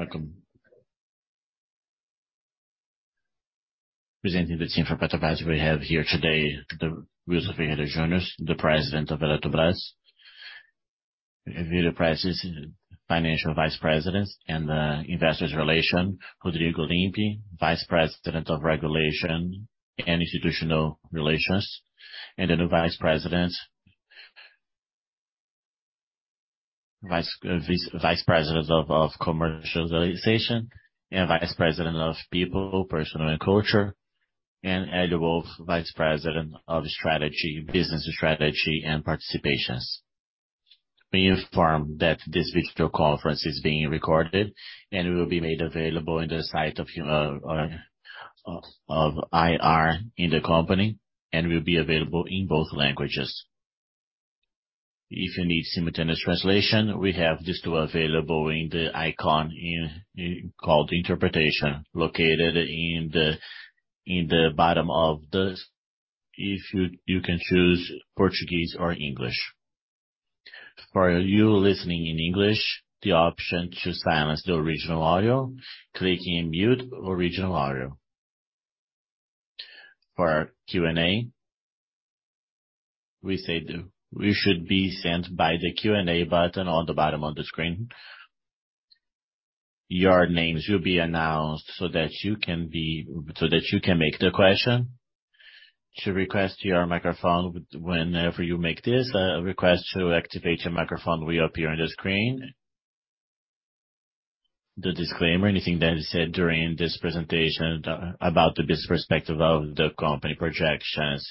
Welcome. Presenting the team from Eletrobras. We have here today Wilson Ferreira Junior, the President of Eletrobras. Elvira Presta, Financial Vice President, and investors relation. Rodrigo Limp, Vice President of Regulation and Institutional Relations, the new Vice President of Commercialization, and Vice President of People, Personal and Culture. Elio Wolff, Vice President of Strategy, Business Strategy and Participations. May you inform that this virtual conference is being recorded and will be made available in the site of IR in the company, and will be available in both languages. If you need simultaneous translation, we have these two available in the icon called Interpretation, located in the bottom of this. If you can choose Portuguese or English. For you listening in English, the option to silence the original audio, clicking in mute original audio. For Q&A, We should be sent by the Q&A button on the bottom of the screen. Your names will be announced so that you can make the question. To request your microphone whenever you make this request to activate your microphone will appear on the screen. The disclaimer, anything that is said during this presentation about the business perspective of the company projections,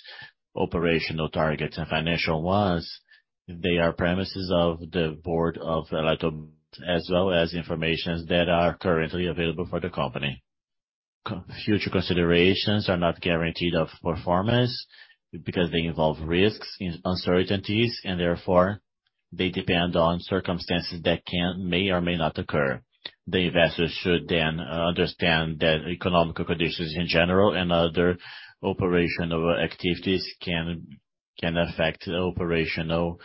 operational targets and financial ones, they are premises of the Board of Eletrobras, as well as information that are currently available for the company. Co-future considerations are not guaranteed of performance because they involve risks, uncertainties, and therefore they depend on circumstances that may or may not occur. The investors should then understand that economic conditions in general and other operational activities can affect the operational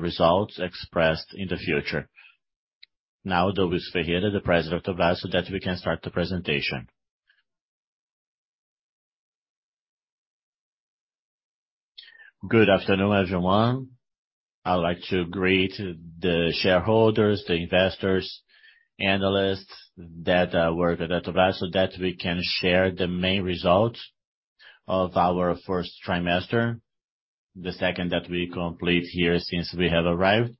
results expressed in the future. Wilson Ferreira, the President of Eletrobras, so that we can start the presentation. Good afternoon, everyone. I'd like to greet the shareholders, the investors, analysts that work at Eletrobras, so that we can share the main results of our first trimester, the second that we complete here since we have arrived.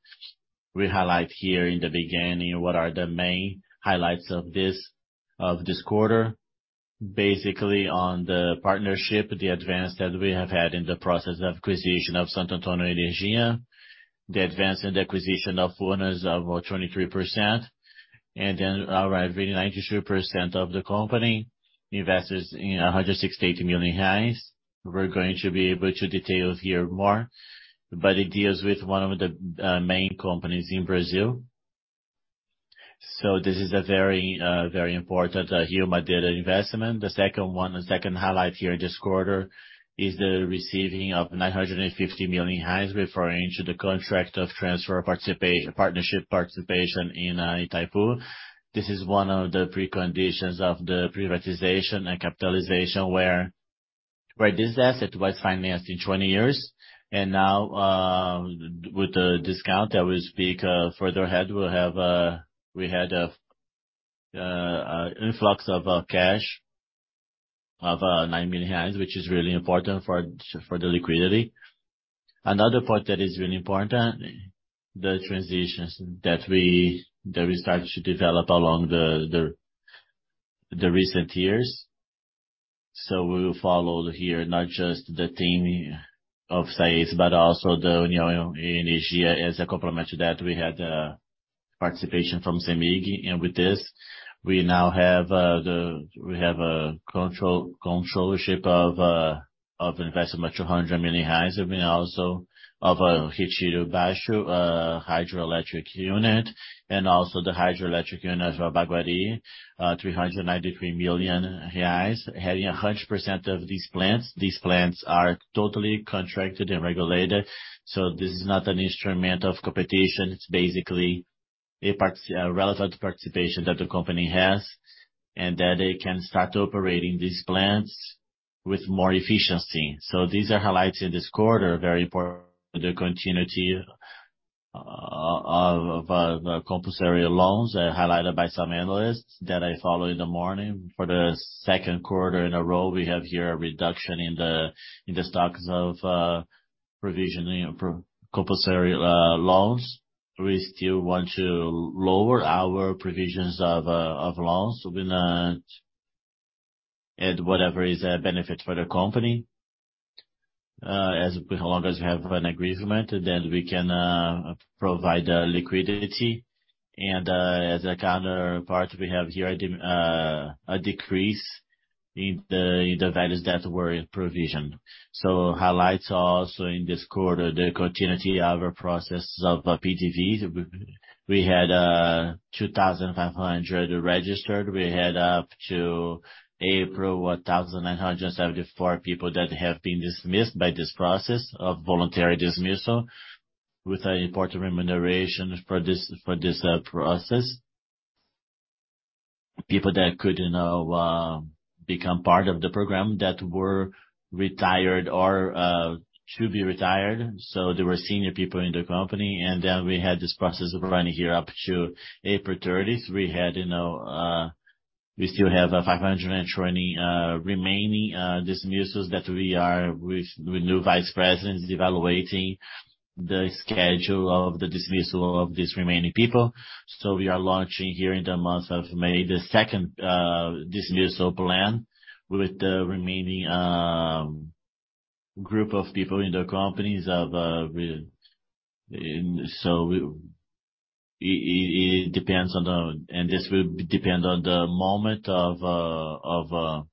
We highlight here in the beginning what are the main highlights of this quarter. Basically on the partnership, the advance that we have had in the process of acquisition of Santo Antônio Energia, the advance in the acquisition of owners of 23%, and then arriving 93% of the company investors in 168 million. We're going to be able to detail here more, but it deals with one of the main companies in Brazil. This is a very important human data investment. The second one, the second highlight here this quarter is the receiving of 950 million referring to the contract of transfer partnership participation in Itaipu. This is one of the preconditions of the privatization and capitalization, where this asset was financed in 20 years. Now, with the discount that we speak further ahead, we had an influx of cash of nine million reais, which is really important for the liquidity. Another point that is really important, the transitions that we started to develop along the recent years. We will follow here not just the team of SAESA, but also the União Energia. As a complement to that, we had participation from CEMIG. With this, we now have a controllership of investment of 200 million, I mean, also of Retiro Baixo hydroelectric unit, and also the hydroelectric unit of Jaguari, 393 million reais. Having 100% of these plants, these plants are totally contracted and regulated, this is not an instrument of competition. It's basically a relevant participation that the company has, and that they can start operating these plants with more efficiency. These are highlights in this quarter, very important for the continuity of compulsory loans, highlighted by some analysts that I follow in the morning. For the second quarter in a row, we have here a reduction in the stocks of provisioning for compulsory loans. We still want to lower our provisions of loans. Whatever is a benefit for the company, as long as we have an agreement, then we can provide liquidity. As a counterpart, we have here a decrease in the values that were in provision. Highlights also in this quarter, the continuity of our processes of PTV. We had 2,500 registered. We had up to April, 1,974 people that have been dismissed by this process of voluntary dismissal with important remunerations for this process. People that could, you know, become part of the program that were retired or to be retired. They were senior people in the company. We had this process running here up to April 30th. We had, you know, we still have 520 remaining dismissals that we are with new vice presidents evaluating the schedule of the dismissal of these remaining people. So we are launching here in the month of May, the second dismissal plan with the remaining group of people in the companies of, with... So it, it depends on the-- And this will depend on the moment of the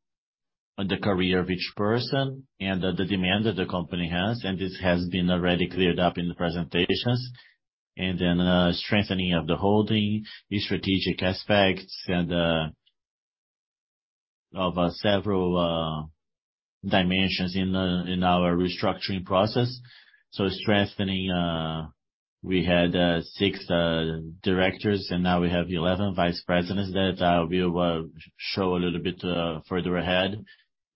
career of each person and the demand that the company has. And this has been already cleared up in the presentations. Then, strengthening of the holding, the strategic aspects and of several dimensions in our restructuring process. Strengthening, we had 6 directors, and now we have 11 vice presidents that I will show a little bit further ahead.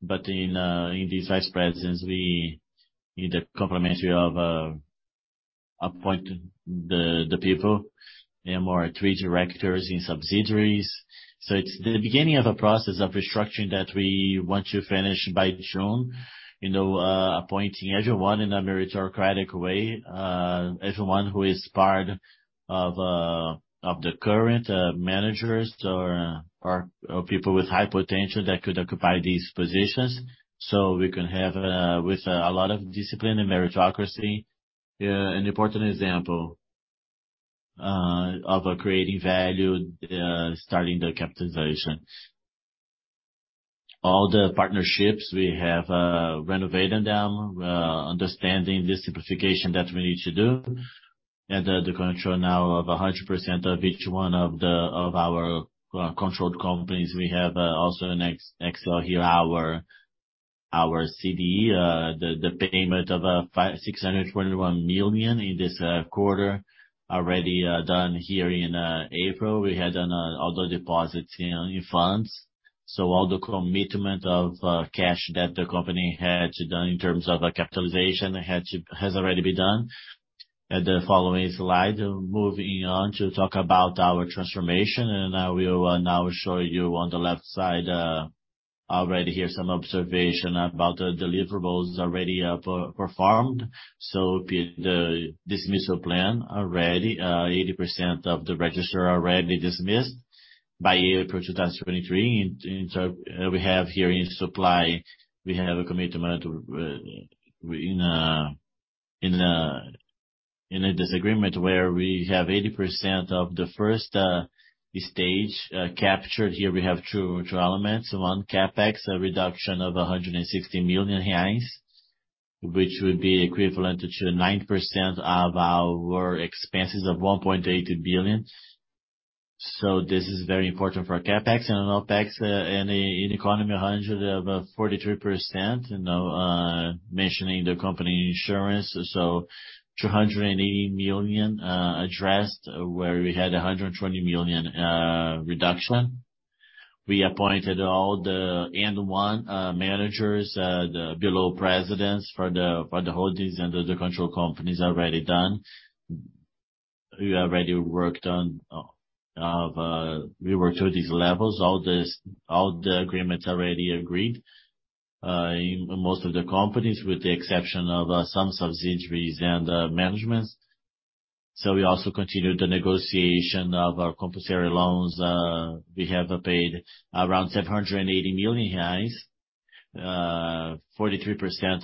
In these vice presidents, we need a complimentary of appoint the people and more three directors in subsidiaries. It's the beginning of a process of restructuring that we want to finish by June. You know, appointing everyone in a meritocratic way, everyone who is part of the current managers or people with high potential that could occupy these positions. We can have, with a lot of discipline and meritocracy, an important example of creating value, starting the capitalization. All the partnerships we have, renovated them, understanding the simplification that we need to do. The control now of 100% of our controlled companies. We have also an ex-excel here, our CD, the payment of 621 million in this quarter, already done here in April. We had done all the deposits in funds. All the commitment of cash that the company had done in terms of capitalization has already been done. At the following slide, moving on to talk about our transformation, and I will now show you on the left side, already here some observation about the deliverables already performed. Be it the dismissal plan already, 80% of the register already dismissed by April 2023. We have here in supply, we have a commitment in a disagreement where we have 80% of the first stage captured. Here we have two elements. One, CapEx, a reduction of 160 million reais, which would be equivalent to 9% of our expenses of 1.8 billion. This is very important for CapEx and OpEx, and in economy, 143%, you know, mentioning the company insurance. 280 million addressed, where we had 120 million reduction. We appointed all the managers, the below presidents for the holdings and the other control companies already done. We already worked through these levels. All the agreements already agreed in most of the companies, with the exception of some subsidiaries and managements. We also continued the negotiation of our compulsory loans. We have paid around 780 million reais, 43%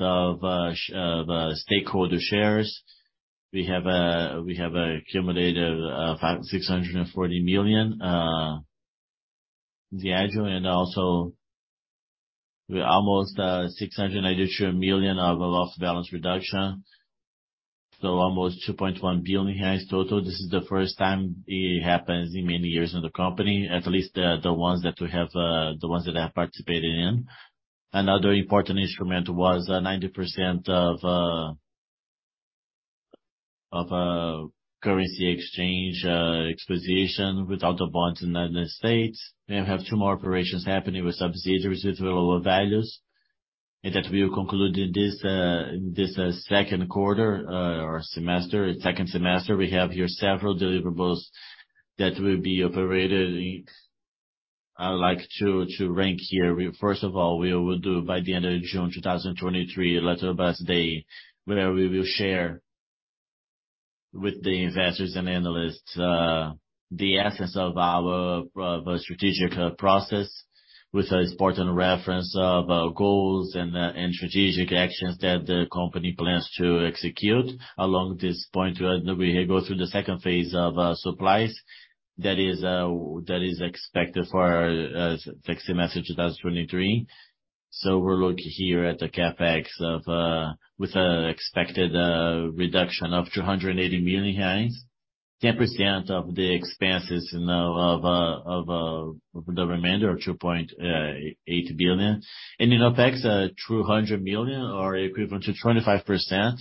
of the stakeholder shares. We have accumulated 640 million, the agile and also almost 692 million of loss balance reduction. Almost 2.1 billion total. This is the first time it happens in many years in the company, at least the ones that we have, the ones that I have participated in. Another important instrument was 90% of a currency exchange exposition without a bond in the United States. We have two more operations happening with subsidiaries with lower values, and that we will conclude in this second quarter or semester, second semester. We have here several deliverables that will be operated. I'd like to rank here. First of all, we will do by the end of June 2023, a little past day, where we will share with the investors and analysts, the essence of our strategic process with an important reference of goals and strategic actions that the company plans to execute. Along this point, we go through the second phase of supplies. That is, that is expected for semester 2023. We look here at the CapEx of with expected reduction of 280 million reais. 10% of the expenses now of the remainder of 2.8 billion. In OpEx, 200 million or equivalent to 25%.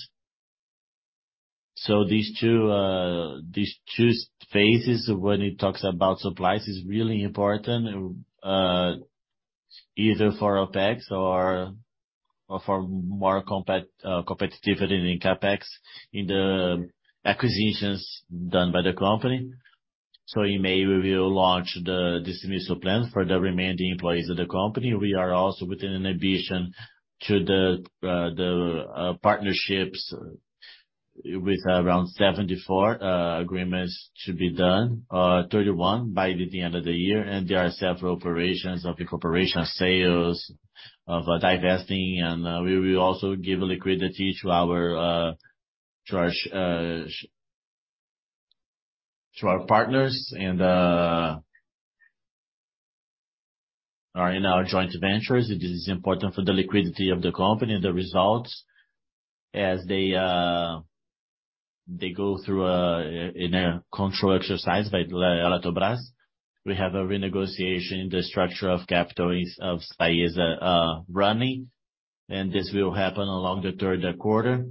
These two phases when it talks about supplies is really important, either for OpEx or for more competitiveness in CapEx in the acquisitions done by the company. In May, we will launch the dismissal plan for the remaining employees of the company. We are also within an ambition to the partnerships with around 74 agreements to be done, 31 by the end of the year. There are several operations of the corporation sales of divesting. We will also give liquidity to our partners and are in our joint ventures. The liquidity of the company and the results as they go through in a control exercise by Eletrobras. We have a renegotiation in the structure of capital of SAESA running, and this will happen along the third quarter.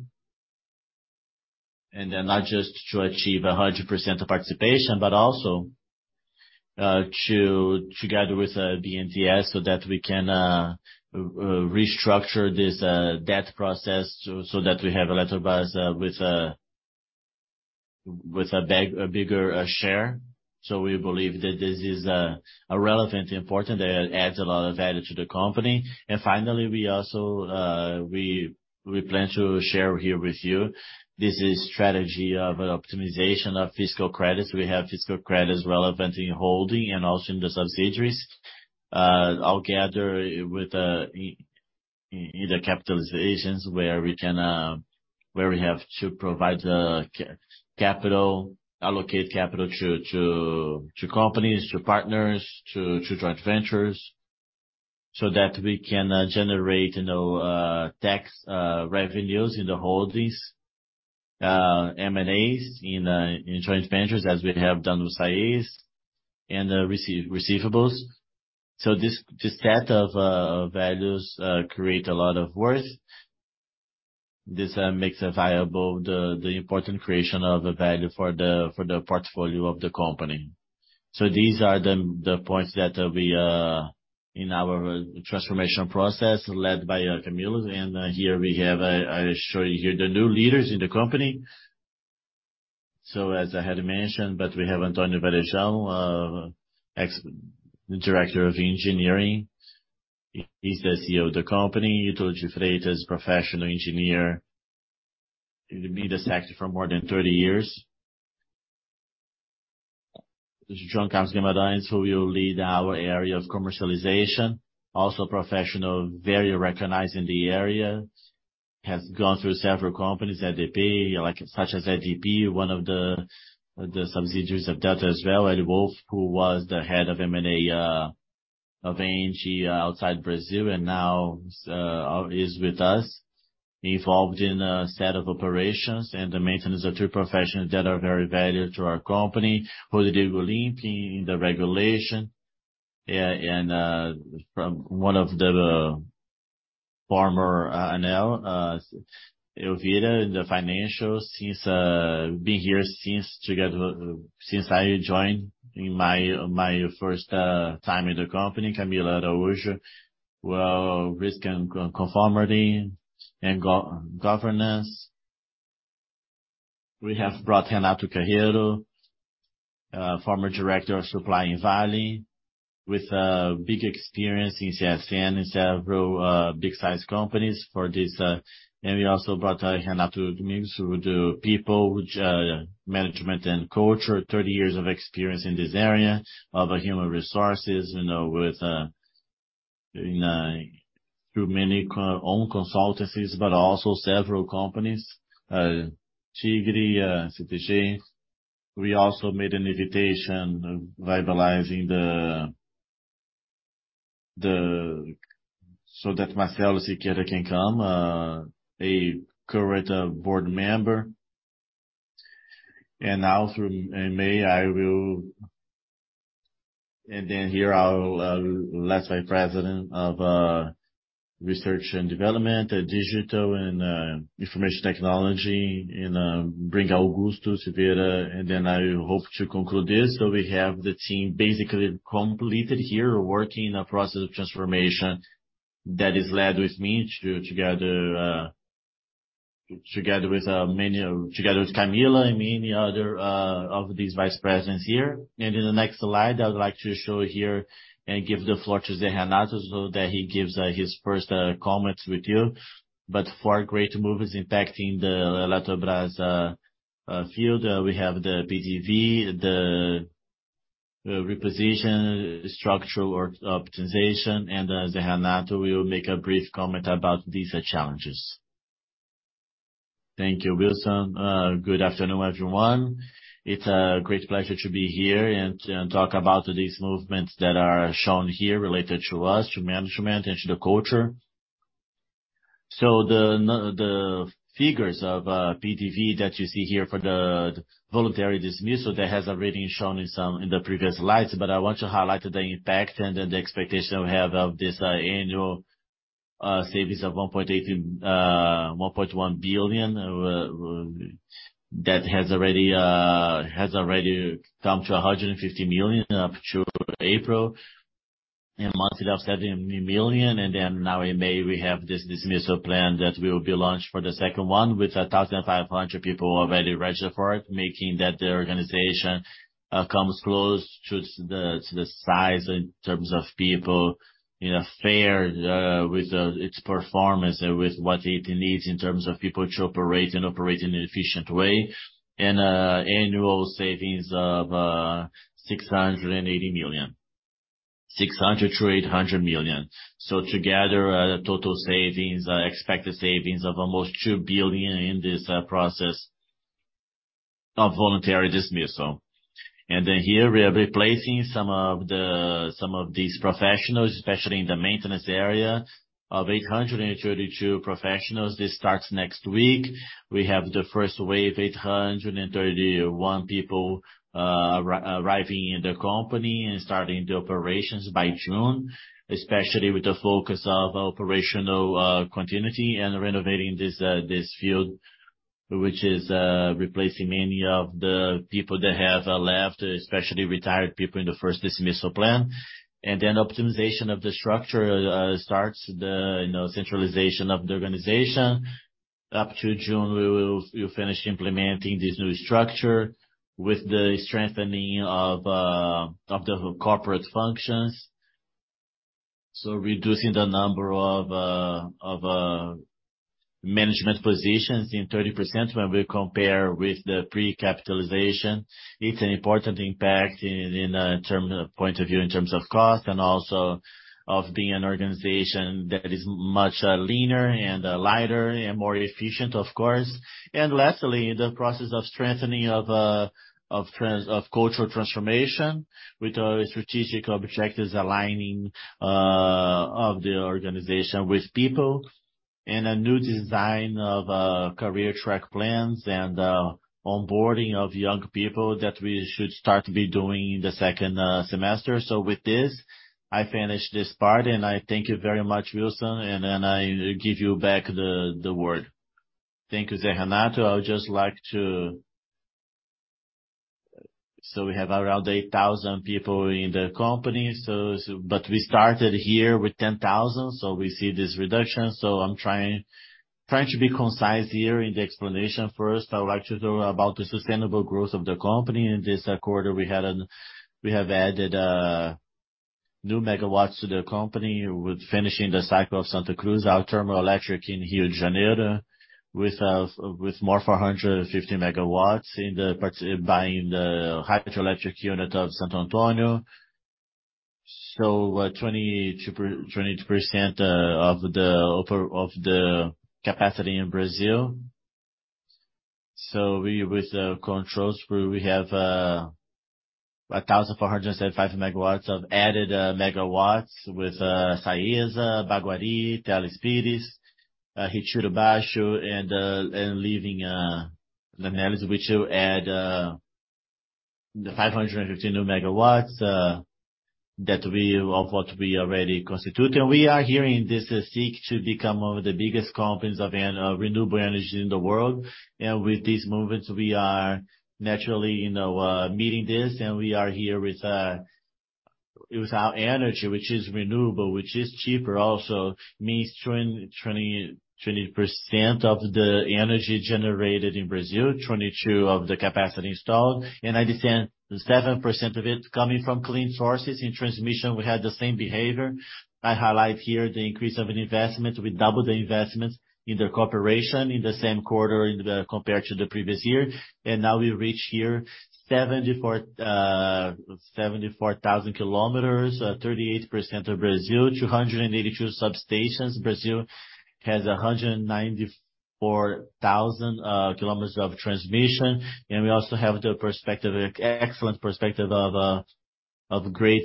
Not just to achieve a 100% participation, but also together with BNDES, so that we can restructure this debt process so that we have Eletrobras with a bigger share. So we believe that this is a relevant important that adds a lot of value to the company. And finally, we also, we plan to share here with you, this is strategy of optimization of fiscal credits. We have fiscal credits relevant in holding and also in the subsidiaries. All together with, in the capitalizations where we can, where we have to provide, capital, allocate capital to companies, to partners, to joint ventures, so that we can generate, you know, tax revenues in the holdings, M&As in joint ventures, as we have done with SAESA and, receivables. This set of values create a lot of worth. This makes it viable the important creation of a value for the portfolio of the company. These are the points that we in our transformation process led by Camila. Here we have, I show you here the new leaders in the company. As I had mentioned, but we have Antonio Varejão, ex-director of engineering. He's the CEO of the company. Tulio de Freitas, professional engineer in the energy sector for more than 30 years. This is João Carlos Guimarães who will lead our area of commercialization, also professional, very recognized in the area, has gone through several companies, ADP, like such as ADP, one of the subsidiaries of Delta as well. Elio Wolff, who was the head of M&A of ENGIE outside Brazil and now is with us, involved in a set of operations and the maintenance of two professionals that are very valuable to our company. Rodrigo Limp in the regulation. Elvira Presta in the financials, she's been here since I joined in my first time in the company. Camila Araújo, risk and conformity and governance. We have brought Renato Carreira, former director of supply in Vale, with a big experience in CSN and several big size companies for this. We also brought Renato Mendes, who do people, which management and culture, 30 years of experience in this area of human resources, you know, with in through many own consultancies, but also several companies, Tigre, CPG. We also made an invitation. Marcelo Siqueira can come, a current board member. Through in May. Here I'll let my president of research and development and digital and information technology and bring Augusto Severo. I hope to conclude this. We have the team basically completed here, working a process of transformation that is led with me together with Camila and many other of these vice presidents here. In the next slide, I would like to show here and give the floor to Zé Renato so that he gives his first comments with you. Four great movers impacting the Eletrobras field. We have the PDV, the reposition, structural or optimization, and Zé Renato will make a brief comment about these challenges. Thank you, Wilson. Good afternoon, everyone. It's a great pleasure to be here and talk about these movements that are shown here related to us, to management and to the culture. The figures of PDV that you see here for the voluntary dismissal, that has already shown in some, in the previous slides, I want to highlight the impact and the expectation we have of this annual savings of 1.1 billion. That has already come to 150 million up to April. Monthly of 70 million. Now in May, we have this dismissal plan that will be launched for the second one, with 1,500 people already registered for it. Making that the organization comes close to the, to the size in terms of people, you know, fair, with its performance and with what it needs in terms of people to operate and operate in an efficient way. Annual savings of 680 million. 600 million-800 million. Together, total savings, expected savings of almost 2 billion in this process of voluntary dismissal. Here we are replacing some of these professionals, especially in the maintenance area, of 832 professionals. This starts next week. We have the first wave, 831 people, arriving in the company and starting the operations by June, especially with the focus of operational continuity and renovating this field, which is replacing many of the people that have left, especially retired people in the first dismissal plan. Optimization of the structure starts the, you know, centralization of the organization. Up to June, we'll finish implementing this new structure with the strengthening of the corporate functions. Reducing the number of management positions in 30% when we compare with the pre-capitalization. It's an important impact in point of view in terms of cost and also of being an organization that is much leaner and lighter and more efficient, of course. Lastly, the process of strengthening of cultural transformation with our strategic objectives aligning of the organization with people. A new design of career track plans and onboarding of young people that we should start to be doing in the second semester. With this, I finish this part, and I thank you very much, Wilson, and then I give you back the word. Thank you, Zé Renato. I would just like to. We have around 8,000 people in the company. We started here with 10,000, so we see this reduction. I'm trying to be concise here in the explanation. First, I would like to talk about the sustainable growth of the company. In this quarter we have added new megawatts to the company with finishing the cycle of Santa Cruz, our thermoelectric in Rio de Janeiro, with more 450 megawatts buying the hydroelectric unit of Santo Antônio. 22% of the capacity in Brazil. We with the controls where we have 1,475 megawatts of added megawatts with SAESA, Baguari, Teles Pires, Riacho do Baixo, and leaving Manaus, which will add the 515 new megawatts of what we already constitute. We are here in this seek to become one of the biggest companies of renewable energy in the world. With these movements, we are naturally, you know, meeting this. We are here with our energy, which is renewable, which is cheaper also, means 20% of the energy generated in Brazil, 22 of the capacity installed, and 97% of it coming from clean sources. In transmission, we had the same behavior. I highlight here the increase of investment. We doubled the investment in the corporation in the same quarter compared to the previous year. Now we reach here 74,000 kilometers, 38% of Brazil, 282 substations. Brazil has 194,000 kilometers of transmission. We also have the perspective, excellent perspective of great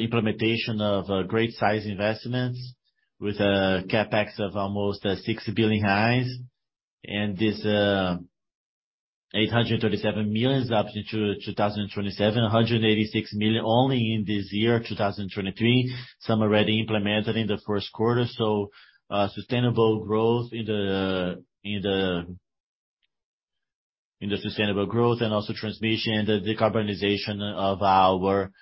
implementation of great size investments with a CapEx of almost 60 billion. This 837 million is up to 2027. 186 million only in this year, 2023. Some already implemented in the first quarter. Sustainable growth in the sustainable growth and also transmission, the decarbonization of our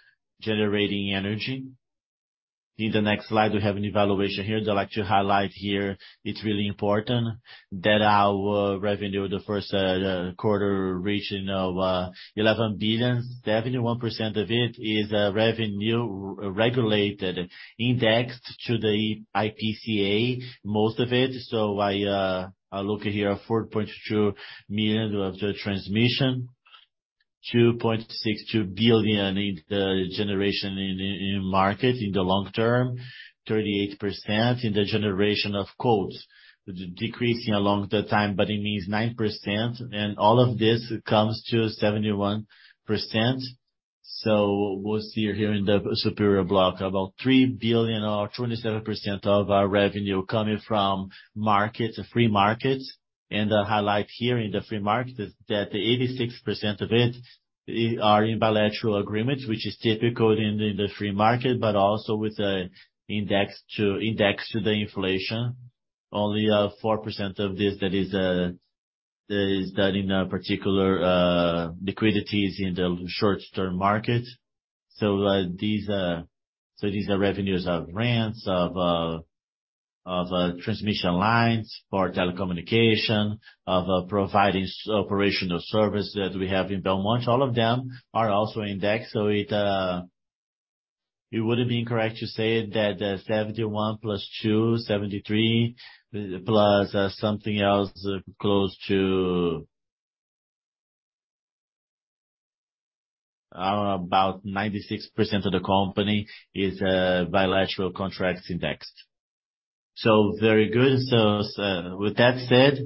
generating energy. The next slide, we have an evaluation here. I'd like to highlight here, it's really important that our revenue, the first quarter region of 11 billion, 71% of it is revenue regulated indexed to the IPCA, most of it. I look here at 4.2 million of the transmission, 2.62 billion in the generation in market in the long term, 38% in the generation of codes, decreasing along the time, but it needs 9%. All of this comes to 71%. We'll see here in the superior block about 3 billion or 27% of our revenue coming from market, free market. I highlight here in the free market is that 86% of it are in bilateral agreements, which is typical in the free market, but also with the index to the inflation. Only 4% of this that is that in a particular liquidities in the short-term market. These are revenues of rents, of transmission lines for telecommunication, of providing operational service that we have in Belo Monte. All of them are also indexed. It would have been correct to say that 71+, two, 73+,something else close to... about 96% of the company is bilateral contracts indexed. Very good. With that said,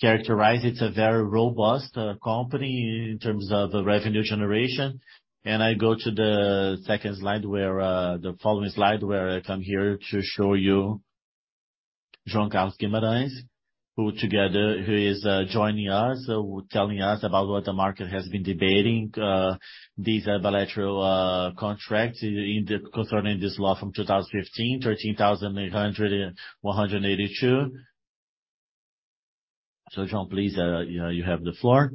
characterize, it's a very robust company in terms of the revenue generation. I go to the second slide, where the following slide, where I come here to show you João Carlos Guimarães, who together, who is joining us, telling us about what the market has been debating, these bilateral contracts concerning this law from 2015, 13,882. João, please, you know, you have the floor.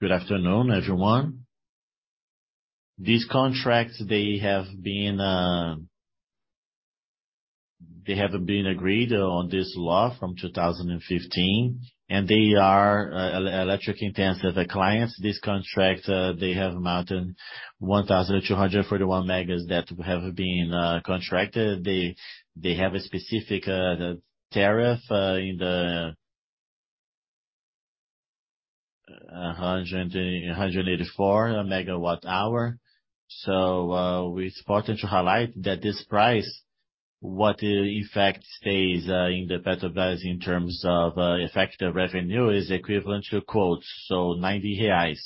Good afternoon, everyone. These contracts, they have been agreed on this law from 2015, and they are electric intense. The clients, this contract, they have mounted 1,241 megas that have been contracted. They have a specific tariff in the 184 megawatt hour. It's important to highlight that this price, what the effect stays in the Eletrobras in terms of effective revenue is equivalent to quotes, 90 reais.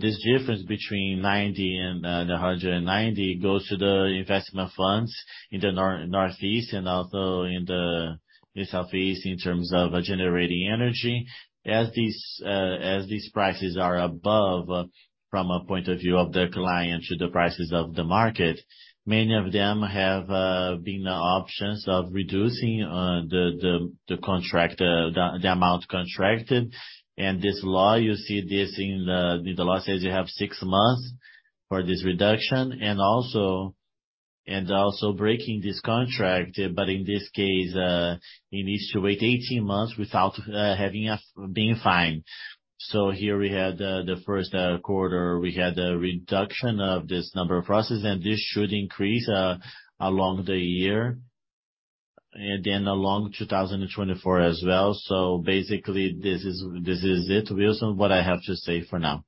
This difference between 90 and 190 goes to the investment funds in the Northeast and also in the Southeast in terms of generating energy. As these prices are above from a point of view of the client to the prices of the market, many of them have been options of reducing the contract, the amount contracted. This law, you see this in the law says you have 6 months for this reduction, and also breaking this contract. In this case, you need to wait 18 months without having being fined. Here we had the first quarter, we had a reduction of this number of processes, this should increase along the year, along 2024 as well. Basically, this is it, Wilson, what I have to say for now.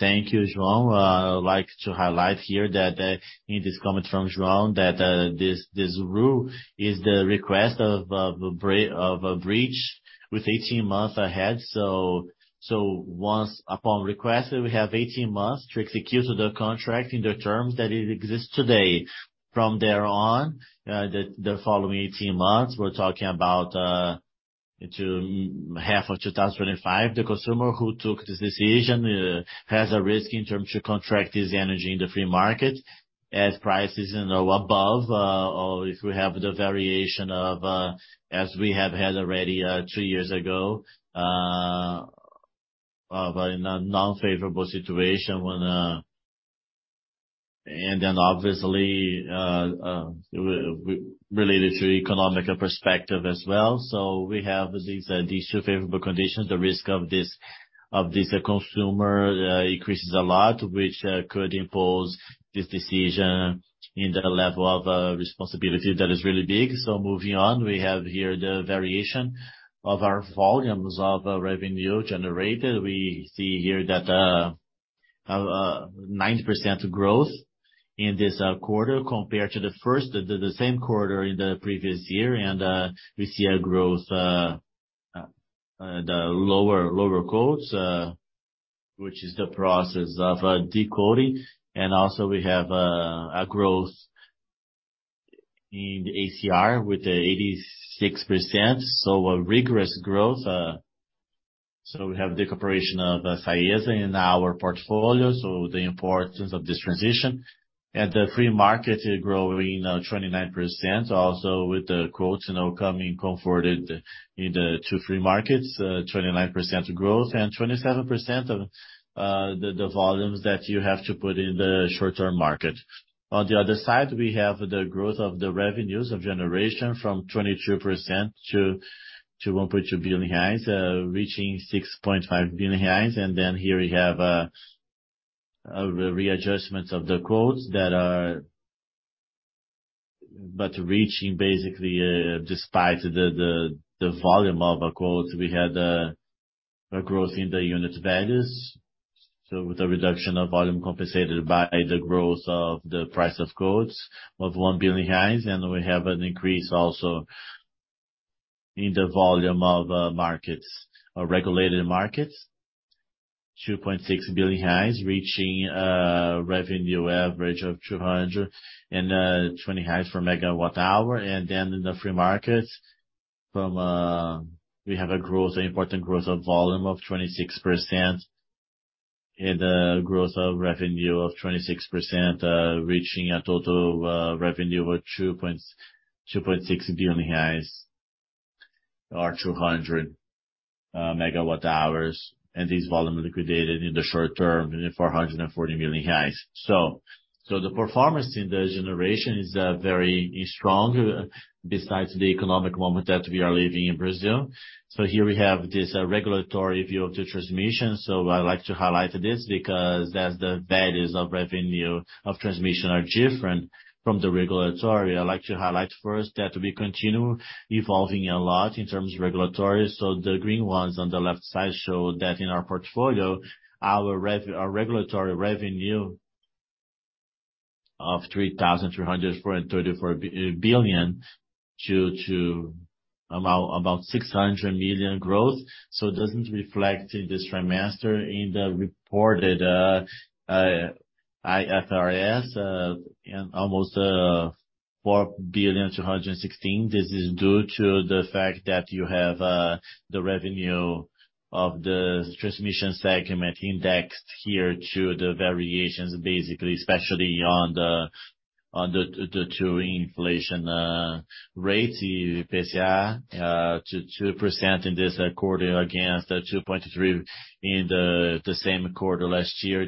Thank you, João. I like to highlight here that in this comment from João, that this rule is the request of a breach with 18 months ahead. Once upon request, we have 18 months to execute the contract in the terms that it exists today. From there on, the following 18 months, we're talking about, into half of 2025, the consumer who took this decision, has a risk in terms of contracting the energy in the free market as prices above, or if we have the variation of, as we have had already, three years ago, of a non-favorable situation when. Obviously, related to economic perspective as well. We have these two favorable conditions. The risk of this consumer, increases a lot, which, could impose this decision in the level of, responsibility that is really big. Moving on, we have here the variation of our volumes of revenue generated. We see here that 90% growth in this quarter compared to the first, the same quarter in the previous year. We see a growth, the lower quotes, which is the process of decoding. We have a growth in ACR with 86%. A rigorous growth. We have the cooperation of Faiza in our portfolio, so the importance of this transition. The free market growing 29% also with the quotes, you know, coming converted in the two free markets, 29% growth and 27% of the volumes that you have to put in the short-term market. On the other side, we have the growth of the revenues of generation from 22% to 1.2 billion reais, reaching 6.5 billion reais. Here we have a readjustment of the quotes that are... Reaching basically, despite the volume of quotes, we had a growth in the unit values. The reduction of volume compensated by the growth of the price of quotes of 1 billion reais. We have an increase also in the volume of markets, regulated markets, 2.6 billion, reaching revenue average of 220 for megawatt hour. Then in the free marketsFrom, we have a growth, important growth of volume of 26% and growth of revenue of 26%, reaching a total of revenue of 2.6 billion reais or 200 megawatt-hours. This volume liquidated in the short term in 440 million. The performance in the generation is very strong besides the economic moment that we are living in Brazil. Here we have this regulatory view of the transmission. I'd like to highlight this because as the values of revenue of transmission are different from the regulatory, I'd like to highlight first that we continue evolving a lot in terms of regulatory. The green ones on the left side show that in our portfolio, our regulatory revenue of 3,334 billion due to about 600 million growth. It doesn't reflect in this trimester in the reported IFRS, and almost 4.216 billion. This is due to the fact that you have the revenue of the transmission segment indexed here to the variations, basically, especially on the two inflation rates, IPCA, to 2% in this quarter against the 2.3% in the same quarter last year.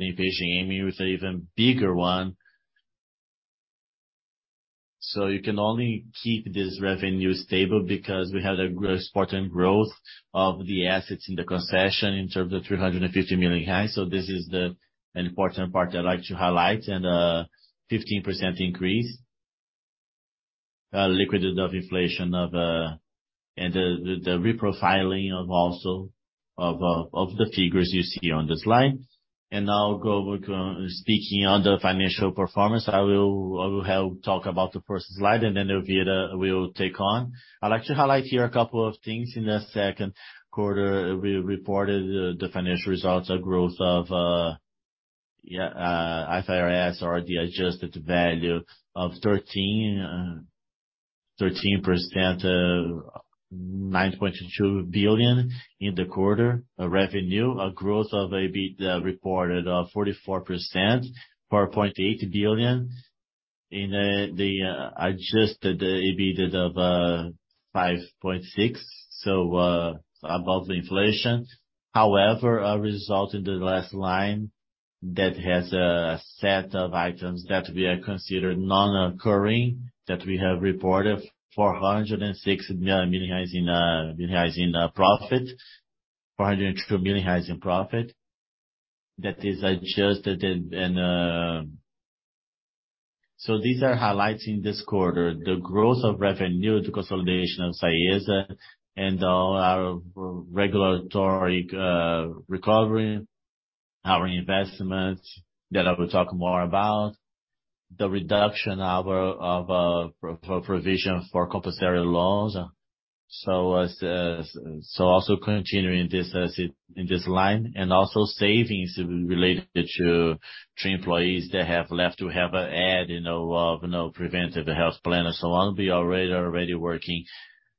Also continuing this in this line, and also savings related to employees that have left to have an add, you know, of, you know, preventive health plan and so on. We already working,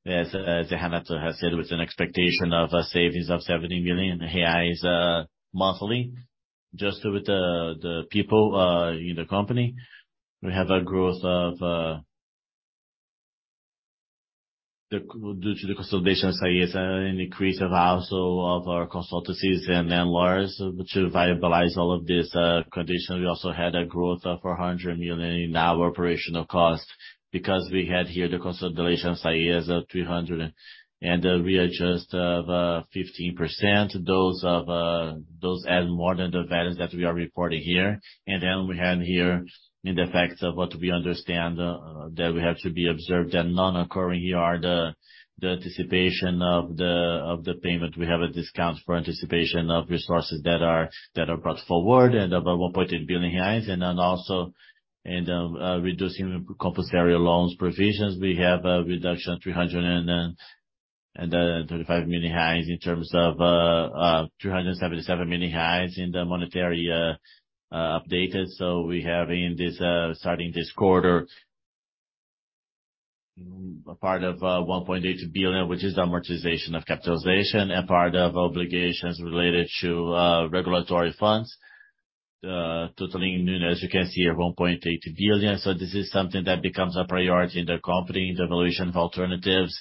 as Zé Renato has said, with an expectation of a savings of 70 million reais monthly, just with the people in the company. We have a growth of due to the consolidation of SAESA, an increase of also of our consultancies and lawyers to viabilize all of this condition. We also had a growth of 400 million in our operational costs because we had here the consolidation of SAESA 300 million. We adjust 15% those of those add more than the values that we are reporting here. We have here in the effects of what we understand that we have to be observed and non-occurring here are the anticipation of the payment. We have a discount for anticipation of resources that are brought forward of 1.8 billion reais. Also in reducing compulsory loans provisions, we have a reduction 335 million in terms of 277 million in the monetary updated. We have in this, starting this quarter a part of 1.8 billion, which is amortization of capitalization and part of obligations related to regulatory funds, totaling, as you can see here, 1.8 billion. This is something that becomes a priority in the company, the evaluation of alternatives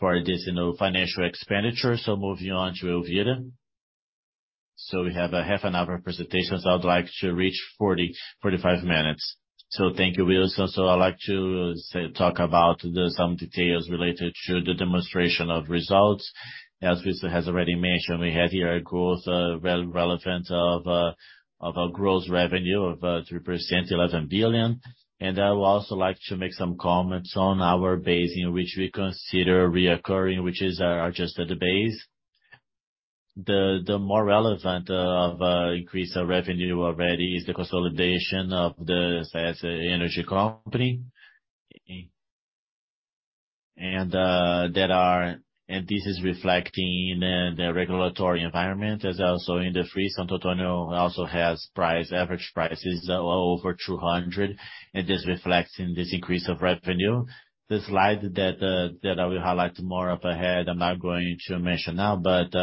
for additional financial expenditure. Moving on to Elvira. We have a half an hour presentation, so I'd like to reach 40, 45 minutes. Thank you, Wilson. I'd like to talk about some details related to the demonstration of results. As Wilson has already mentioned, we have here a growth relevant of a gross revenue of 3%, 11 billion. I would also like to make some comments on our base in which we consider recurring, which is our adjusted base. The more relevant increase of revenue already is the consolidation of the SAESA energy company. This is reflecting in the regulatory environment as also in the free Santo Antônio also has price, average prices over 200, and this reflects in this increase of revenue. The slide that I will highlight more up ahead, I'm not going to mention now, but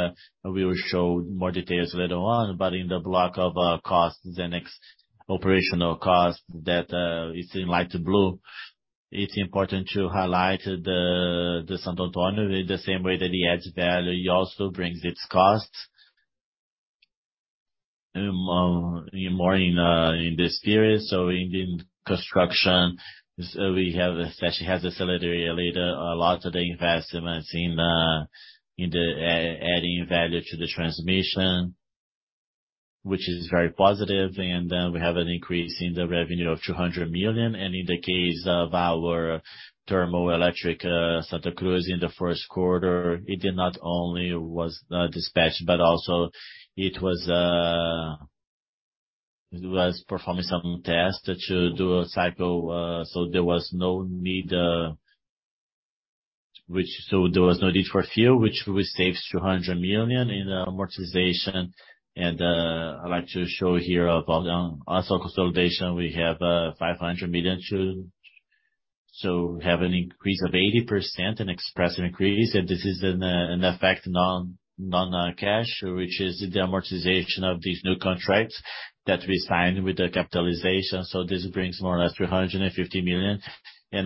we will show more details later on. In the block of costs, the next operational cost that is in light blue, it's important to highlight the Santo Antônio in the same way that he adds value, he also brings its costs. More in this period. In the construction, actually has facility related a lot of the investments in adding value to the transmission, which is very positive. Then we have an increase in the revenue of 200 million. In the case of our thermoelectric, Santa Cruz in the first quarter, it did not only was dispatched, but also it was performing some tests to do a cycle, so there was no need for fuel, which will saves 200 million in amortization. I'd like to show here about also consolidation, we have 500 million to... We have an increase of 80%, an expressive increase. This is an effect non-cash, which is the amortization of these new contracts that we signed with the capitalization. This brings more or less 350 million.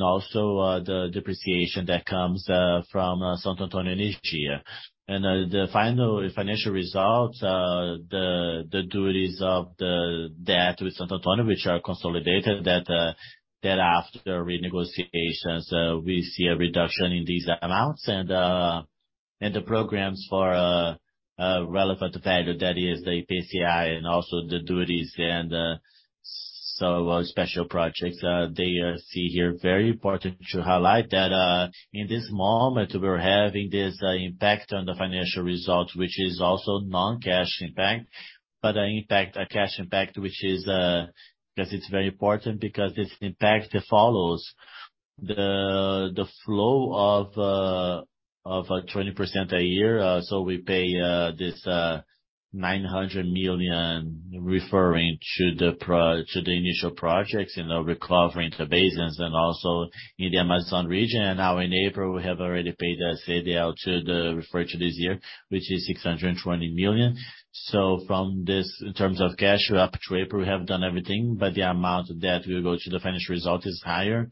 Also the depreciation that comes from Santo Antônio Energia. The final financial results, the duties of the debt with Santo Antônio, which are consolidated that after renegotiations, we see a reduction in these amounts and the programs for a relevant value that is the PCI and also the duties and special projects, they see here, very important to highlight that in this moment, we're having this impact on the financial results, which is also non-cash impact. An impact, a cash impact, which is because it's very important, because this impact follows the flow of a 20% a year. We pay this 900 million referring to the initial projects, you know, recovering the basins and also in the Amazon region. Now in April, we have already paid the CDL to the referred to this year, which is 620 million. From this, in terms of cash, up to April, we have done everything, but the amount that will go to the finished result is higher.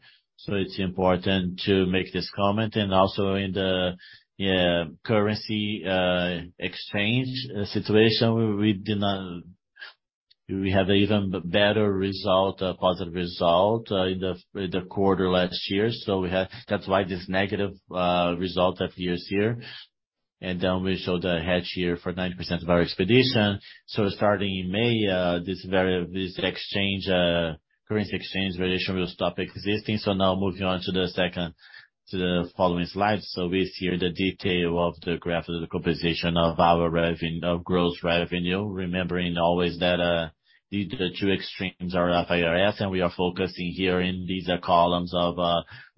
It's important to make this comment. Also in the currency exchange situation, we had even better result, positive result, in the quarter last year. That's why this negative result appears here. We show the hedge here for 9% of our expedition. Starting in May, this exchange currency exchange variation will stop existing. Moving on to the second, to the following slide. We see here the detail of the graph of the composition of our gross revenue, remembering always that the two extremes are IFRS, and we are focusing here in these columns of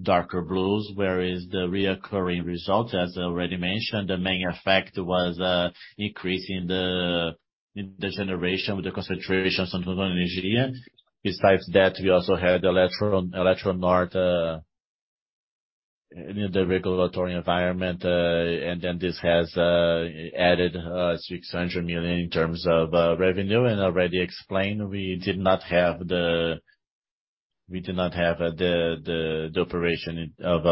darker blues, whereas the reoccurring results, as already mentioned, the main effect was increasing the generation with the concentration of Santo Antônio Energia. Besides that, we also had Eletronorte in the regulatory environment, this has added 600 million in terms of revenue. Already explained, we did not have the operation of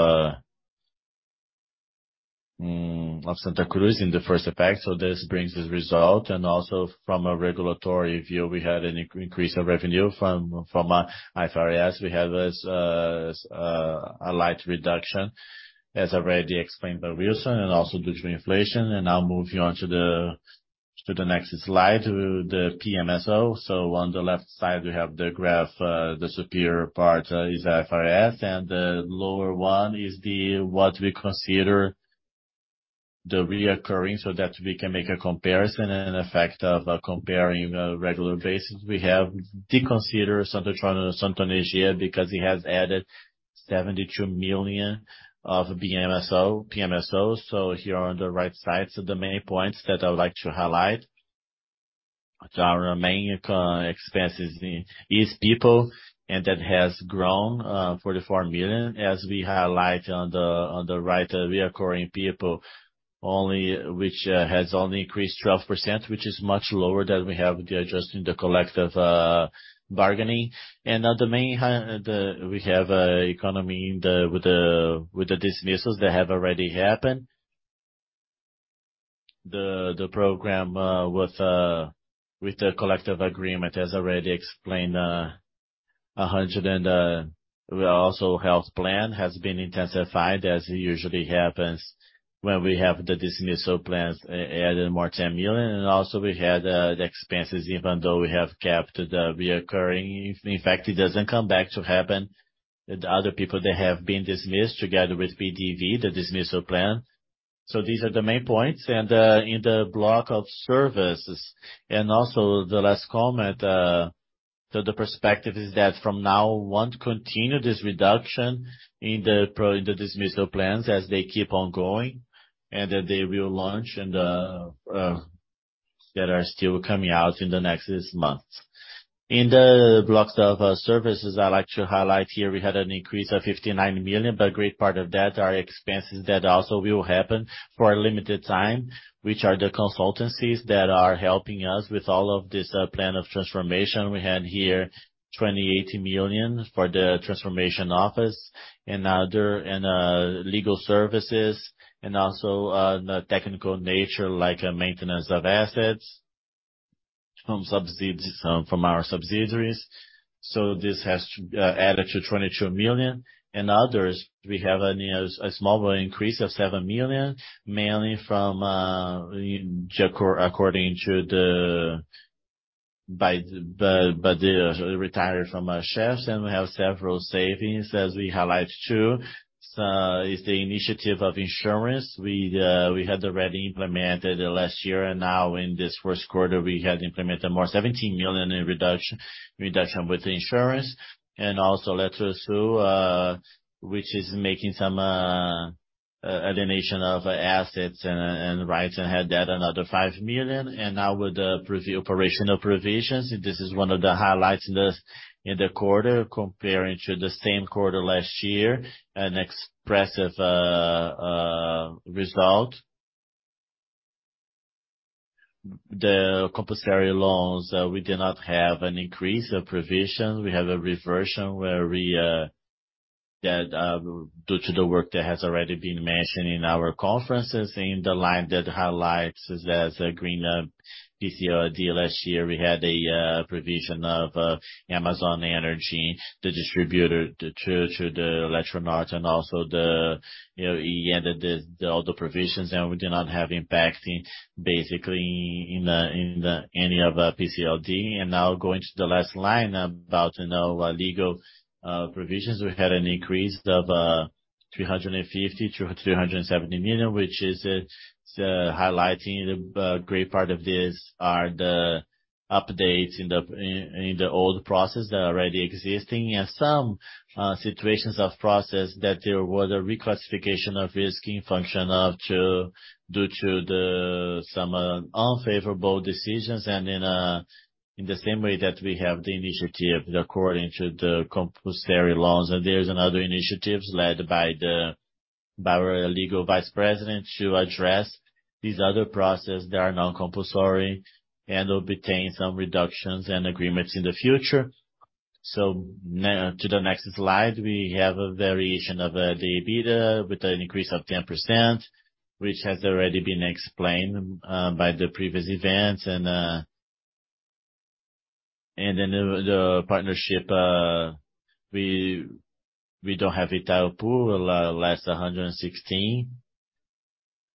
Santa Cruz in the first effect. This brings this result. Also from a regulatory view, we had an increase of revenue from IFRS. We have as a light reduction, as already explained by Wilson, and also due to inflation. Moving on to the next slide, the PMSO. On the left side, we have the graph, the superior part is IFRS, and the lower one is what we consider the recurring, so that we can make a comparison and effect of comparing regular basis. We have deconsider Santo Antônio and Santo Antônio Energia because it has added 72 million of PMSO. Here on the right side. The main points that I would like to highlight. Our main expenses is people, and that has grown 44 million. As we highlight on the right, recurring people only which has only increased 12%, which is much lower than we have with the adjusting the collective bargaining. At the main, We have economy in the with the dismissals that have already happened. The program with the collective agreement, as already explained, a hundred and. We also health plan has been intensified, as usually happens when we have the dismissal plans added more 10 million. Also we had the expenses, even though we have kept the recurring. In fact, it doesn't come back to happen. The other people that have been dismissed together with PDV, the dismissal plan. These are the main points. In the block of services. Also the last comment. The perspective is that from now want to continue this reduction in the dismissal plans as they keep on going, and that they will launch and that are still coming out in the next months. In the blocks of services, I'd like to highlight here we had an increase of 59 million. A great part of that are expenses that also will happen for a limited time, which are the consultancies that are helping us with all of this plan of transformation. We had here 28 million for the transformation office and other legal services and also the technical nature, like maintenance of assets from our subsidiaries. This has to be added to 22 million. Others, we have a, you know, a small increase of 7 million, mainly from, just according to the retired from our chefs. We have several savings, as we highlight too. Is the initiative of insurance. We had already implemented last year, now in this first quarter, we had implemented more 17 million in reduction with the insurance. Also letters through, which is making some alienation of assets and rights, and had that another 5 million. Now with the operational provisions, this is one of the highlights in the quarter, comparing to the same quarter last year, an expressive result. The compulsory loans, we did not have an increase of provisions. We have a reversion where we, that, due to the work that has already been mentioned in our conferences, in the line that highlights as a green, PCLD last year, we had a provision of Amazonas Energia, the distributor to Eletronorte and also the, you know, he ended the, all the provisions, and we do not have impact in basically in, any of PCLD. Now going to the last line about, you know, legal, provisions. We had an increase of 350 million-370 million, which is highlighting the great part of this are the updates in the old process that already existing. Some situations of process that there was a reclassification of risking function due to the some unfavorable decisions. In the same way that we have the initiative according to the compulsory laws. There's another initiatives led by our legal Vice President to address these other processes that are non-compulsory and obtain some reductions and agreements in the future. Now to the next slide, we have a variation of the EBITDA with an increase of 10%, which has already been explained by the previous events. The partnership, we don't have Itaipu, last 116.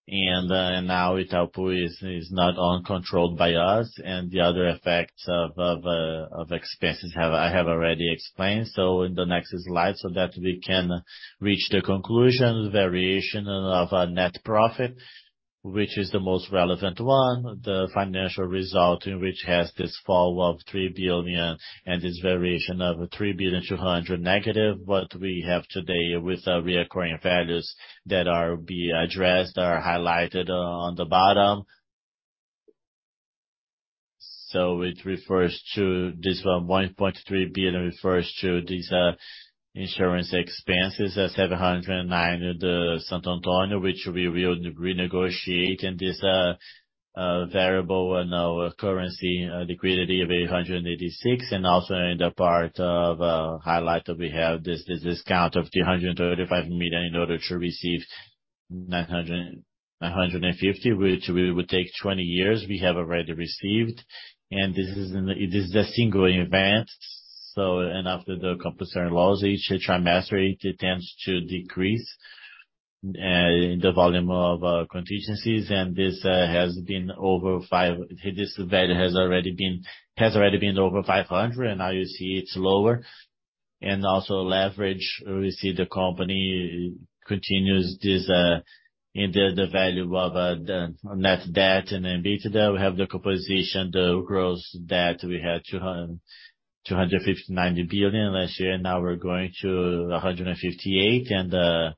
Now Itaipu is not uncontrolled by us. The other effects of expenses I have already explained. In the next slide, so that we can reach the conclusion, variation of net profit, which is the most relevant one, the financial result in which has this fall of 3 billion and this variation of 3.2 billion negative, what we have today with our reoccurring values that are be addressed are highlighted on the bottom. It refers to this one, 1.3 billion refers to these insurance expenses of 709, the Santo Antônio, which we will renegotiate. This variable in our currency liquidity of 886. Also in the part of highlight that we have this discount of 335 million in order to receive 950, which we would take 20 years, we have already received. This is a single event. After the compulsory laws, each trimester, it tends to decrease the volume of contingencies. This has been over five. This value has already been over 500, and now you see it's lower. Also leverage. We see the company continues this in the value of the net debt and EBITDA. We have the composition, the gross debt. We had 259 billion last year. Now we're going to 158 billion.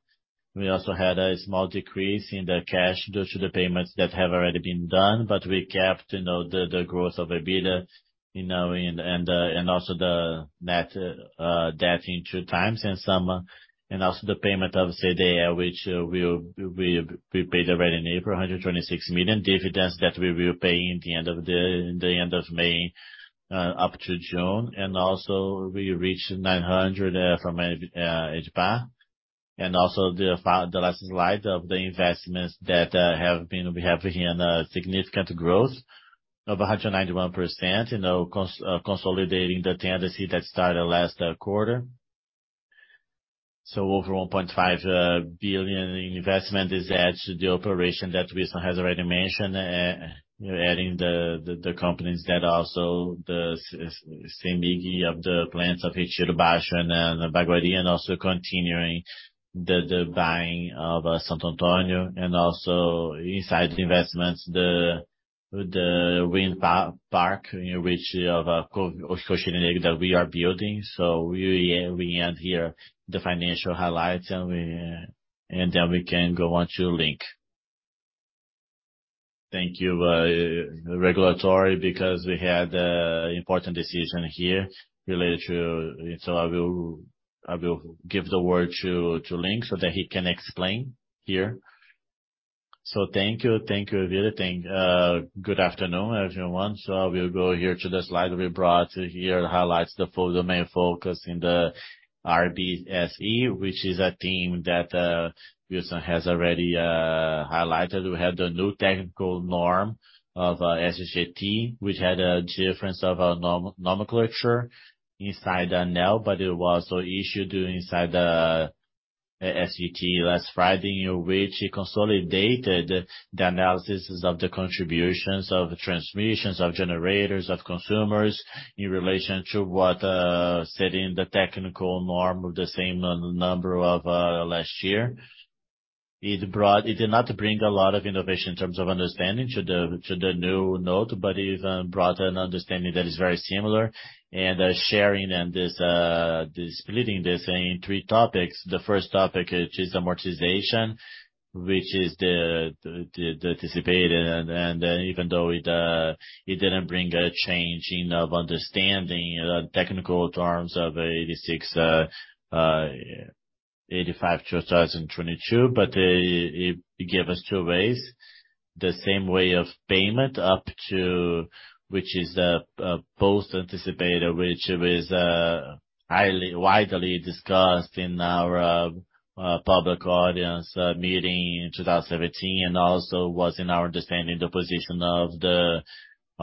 We also had a small decrease in the cash due to the payments that have already been done. We kept, you know, the growth of EBITDA, you know, and also the net debt in 2x. The payment of CDA, which we paid already in April, 126 million dividends that we will pay in the end of May, up to June. We reached 900 from Edge Bar. The last slide of the investments that we have here in a significant growth of 191%, consolidating the tendency that started last quarter. Over 1.5 billion in investment is added to the operation that Christian has already mentioned, adding the companies that also the CEMIG of the plants of Retiro Baixo and Baguari. Continuing the buying of Santo Antônio and also inside investments, theWith the wind park that we are building. We end here the financial highlights, and then we can go on to Linc. Thank you, regulatory, because we had important decision here related to... I will give the word to Linc so that he can explain here. Thank you. Thank you, everyone. Good afternoon, everyone. I will go here to the slide we brought here. It highlights the main focus in the RBSE, which is a team that Wilson has already highlighted. We have the new technical norm of SSJT, which had a difference of a nomenclature inside ANEEL. It was also issued inside the SUT last Friday, in which it consolidated the analysis of the contributions of transmissions, of generators, of consumers in relation to what said in the technical norm of the same number of last year. It did not bring a lot of innovation in terms of understanding to the new note, but it brought an understanding that is very similar and sharing and this splitting this in three topics. The first topic is amortization, which is the anticipated. Even though it didn't bring a change in of understanding the technical terms of 86, 85 to 2022, it gave us two ways. The same way of payment up to which is, post anticipated, which was widely discussed in our public audience meeting in 2017, and also was in our understanding the position of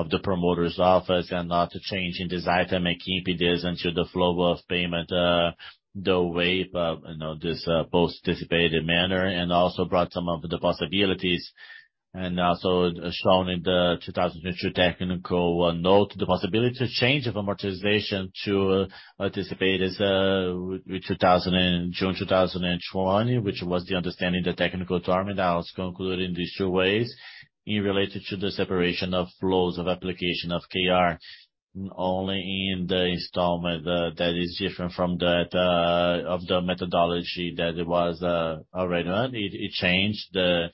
the promoter's office and not a change in this item and keeping this into the flow of payment, the way of, you know, this, post-anticipated manner, and also brought some of the possibilities, and also as shown in the 2022 technical note, the possibility to change the amortization to anticipate as with June 2020, which was the understanding, the technical term, and that was concluded in these two ways. In related to the separation of flows of application of KR, only in the installment, that is different from that of the methodology that it was already run. It changed the,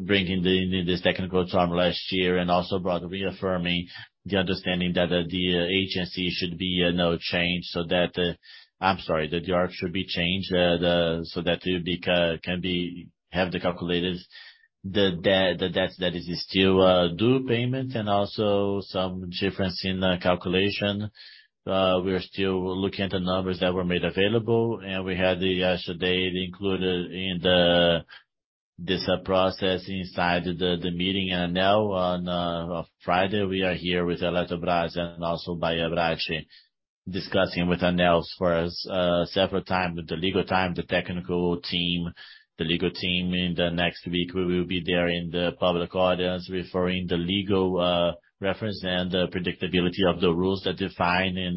bringing the, this technical term last year and also brought reaffirming the understanding that the agency should be, no change, so that... I'm sorry, that the ACR should be changed, so that it can have the calculators, the debts that is still, due payment and also some difference in the calculation. We are still looking at the numbers that were made available, and we had yesterday included in the, this, process inside the meeting ANEEL on, Friday. We are here with Eletrobras and also by ABRACE, discussing with ANEEL for, several time, the legal time, the technical team, the legal team. In the next week, we will be there in the public audience referring the legal reference and the predictability of the rules that define in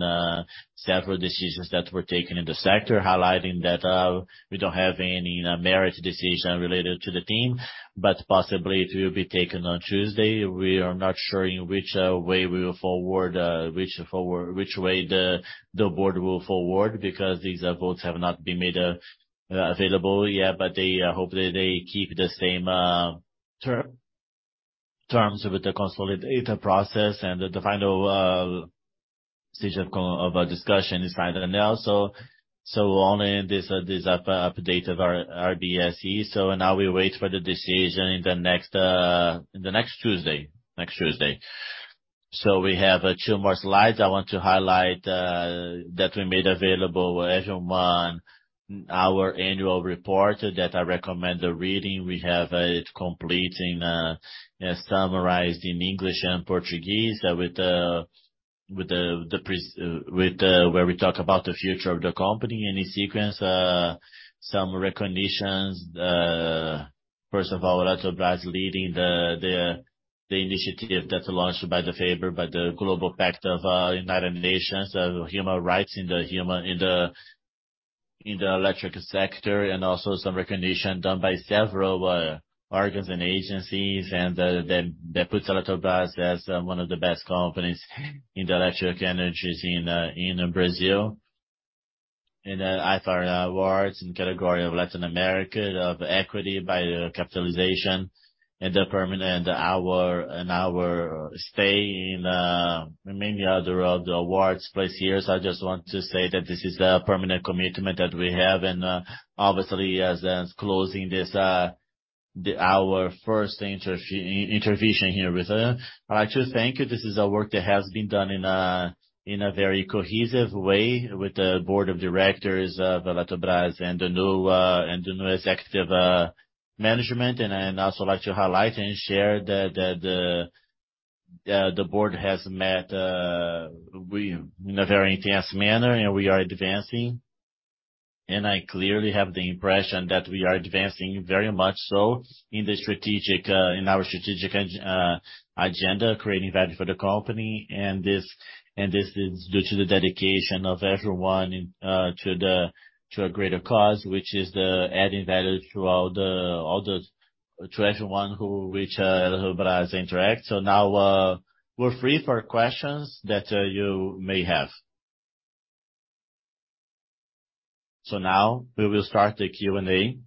several decisions that were taken in the sector, highlighting that we don't have any merit decision related to the team, but possibly it will be taken on Tuesday. We are not sure in which way we will forward, which way the board will forward, because these votes have not been made available yet. They hope that they keep the same terms with the consolidator process and the final stage of a discussion is by ANEEL. Only this update of RBSE. Now we wait for the decision in the next in the next Tuesday. Next Tuesday. We have two more slides. I want to highlight that we made available everyone our annual report that I recommend reading. We have it complete in summarized in English and Portuguese with where we talk about the future of the company. In a sequence, some recognitions, first of all, Eletrobras leading the initiative that's launched by the favor, by the Global Pact of United Nations of Human Rights in the electric sector, and also some recognition done by several organs and agencies, and that puts Eletrobras as one of the best companies in the electric energies in Brazil. In the IFR Awards in category of Latin America of equity by capitalization and our stay in many other of the awards place here. I just want to say that this is a permanent commitment that we have. Obviously, as closing this, our first intervention here with. I like to thank you. This is a work that has been done in a very cohesive way with the board of directors of Eletrobras and the new executive management. I'd also like to highlight and share that the board has met in a very intense manner, and we are advancing. I clearly have the impression that we are advancing very much so in the strategic, in our strategic agenda, creating value for the company. This is due to the dedication of everyone to a greater cause, which is the adding value to all the to everyone who which Eletrobras interacts. We're free for questions that you may have. We will start the Q&A.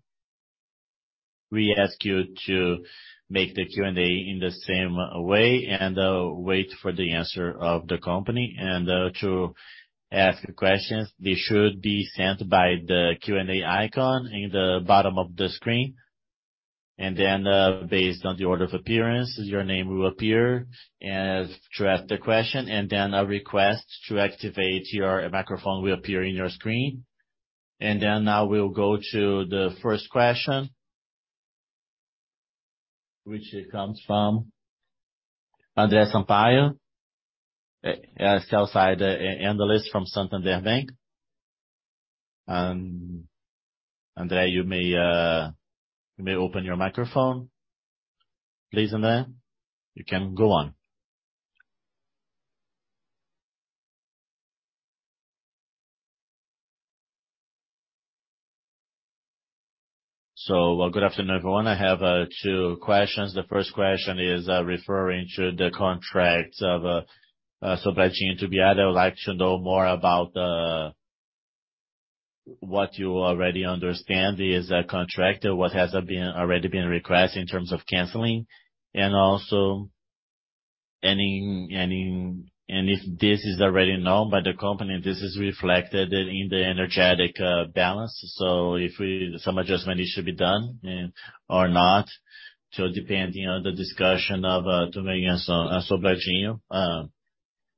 We ask you to make the Q&A in the same way and wait for the answer of the company and to ask questions, they should be sent by the Q&A icon in the bottom of the screen. Based on the order of appearance, your name will appear and to ask the question, a request to activate your microphone will appear in your screen. Now we'll go to the first question. Which comes from André Sampaio, south side analyst from Santander Bank. André, you may open your microphone please, André. You can go on. Good afternoon, everyone. I have two questions. The first question is referring to the contract of Sobradinho to be added, I would like to know more about what you already understand is a contract. What has already been requested in terms of canceling. Also any, and if this is already known by the company, this is reflected in the energetic balance. If some adjustment needs to be done or not,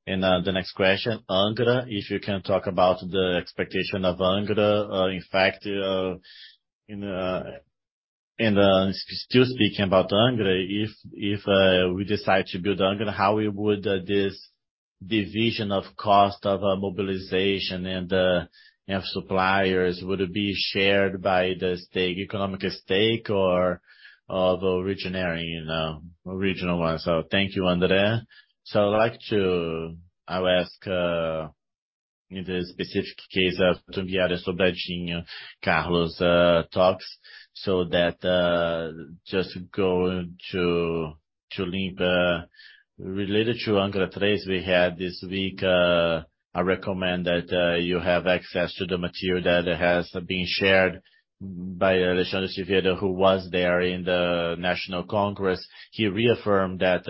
so depending on the discussion of turning on Sobradinho. The next question, Angra.If you can talk about the expectation of Angra, in fact, and still speaking about Angra, if we decide to build Angra, how we would, this division of cost of mobilization and, you know, suppliers, would it be shared by the stake, economic stake or the originary, you know, original one? Thank you, André. I'll ask, in the specific case of Tubarão Sobradinho, Carlos talks so that, just go to link, related to Angra 3 we had this week, I recommend that you have access to the material that has been shared by AlexAndré Silveira, who was there in the National Congress. He reaffirmed that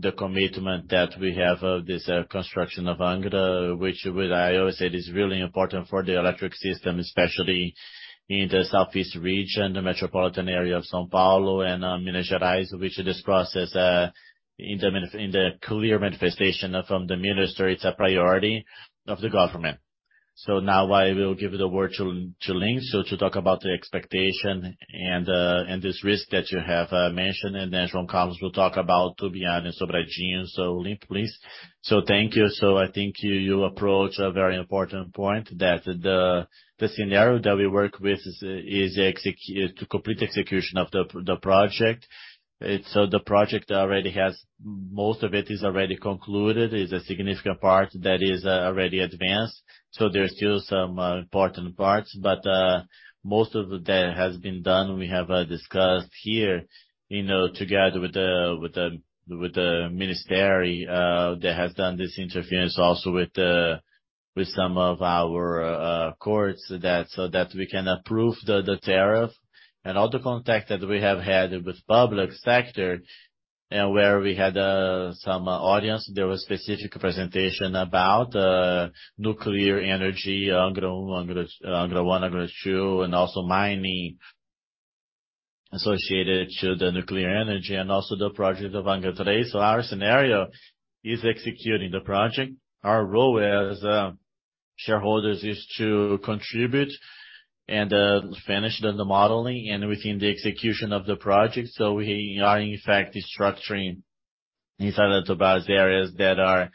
the commitment that we have, this construction of Angra, which I always said is really important for the electric system, especially in the southeast region, the metropolitan area of São Paulo and Minas Gerais, which this process, in the clear manifestation from the Minister, it's a priority of the government. Now I will give the word to Linc to talk about the expectation and this risk that you have mentioned. Then João Carlos will talk about Tubarão and Sobradinho. Linc, please. Thank you. I think you approach a very important point that the scenario that we work with is to complete execution of the project. The project already has, most of it is already concluded, is a significant part that is already advanced. There's still some important parts. Most of that has been done. We have discussed here, you know, together with the Ministry, that has done this interference also with the, with some of our courts that, so that we can approve the tariff. All the contact that we have had with public sector, where we had some audience, there was specific presentation about nuclear energy, Angra I, Angra II, and also mining associated to the nuclear energy and also the project of Angra III. Our scenario is executing the project. Our role as shareholders is to contribute and finish the modeling and within the execution of the project. We are in fact structuring inside Eletrobras areas that are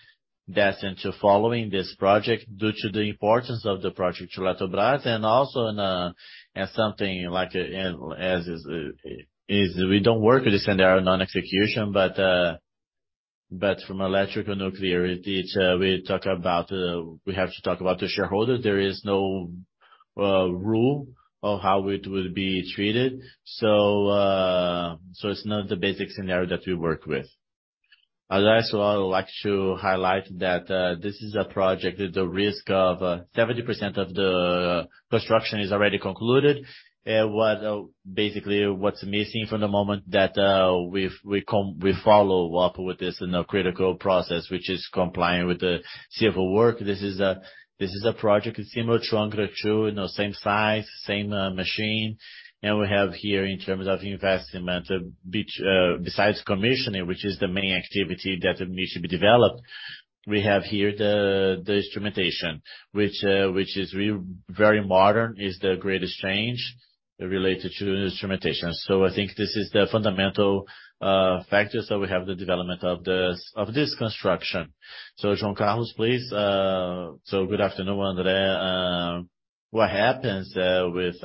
destined to following this project due to the importance of the project to Eletrobras. Also in something like as we don't work with the scenario non-execution, but from Eletronuclear we talk about we have to talk about the shareholders. There is no rule of how it would be treated. It's not the basic scenario that we work with. Last of all, I'd like to highlight that this is a project with the risk of 70% of the construction is already concluded. What basically what's missing from the moment that we follow up with this in a critical process, which is complying with the civil work. This is a project similar to Angra II, you know, same size, same machine. We have here in terms of investment besides commissioning, which is the main activity that needs to be developed. We have here the instrumentation, which is very modern, is the greatest change related to instrumentation. I think this is the fundamental factors that we have the development of this construction. João Carlos, please. Good afternoon, André. What happens with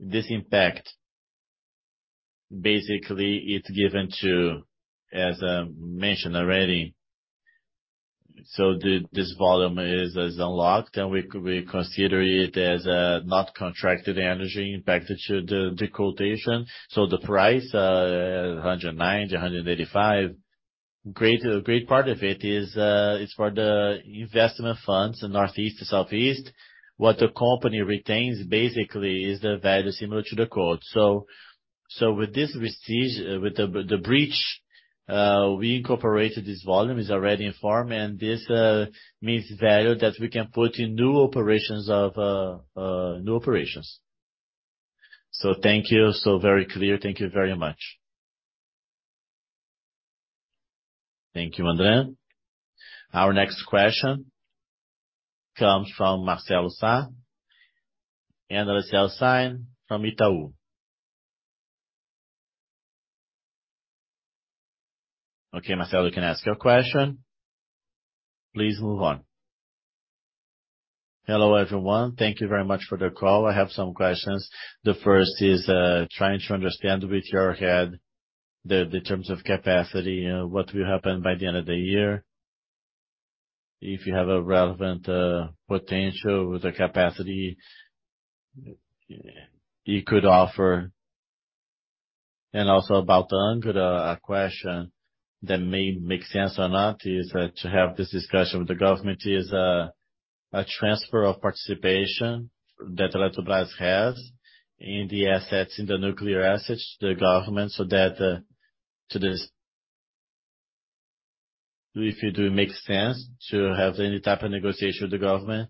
this impact? Basically, it's given to, as mentioned already. The volume is unlocked and we consider it as not contracted energy impacted to the quotation. The price, BRL 109-185.Great, a great part of it is for the investment funds in Northeast to Southeast. What the company retains basically is the value similar to the quote. With this we incorporated this volume, is already in form, and this means value that we can put in new operations of new operations. Thank you. Very clear. Thank you very much. Thank you, André. Our next question comes from Marcelo Sá, Marcelo Sá from Itaú. Marcelo, you can ask your question. Please move on. Hello everyone. Thank you very much for the call. I have some questions. The first is trying to understand with your head the terms of capacity, what will happen by the end of the year. If you have a relevant potential with the capacity you could offer. About Angra, a question that may make sense or not is to have this discussion with the government is a transfer of participation that Eletrobras has in the assets, in the nuclear assets, the government, so that if it do make sense to have any type of negotiation with the government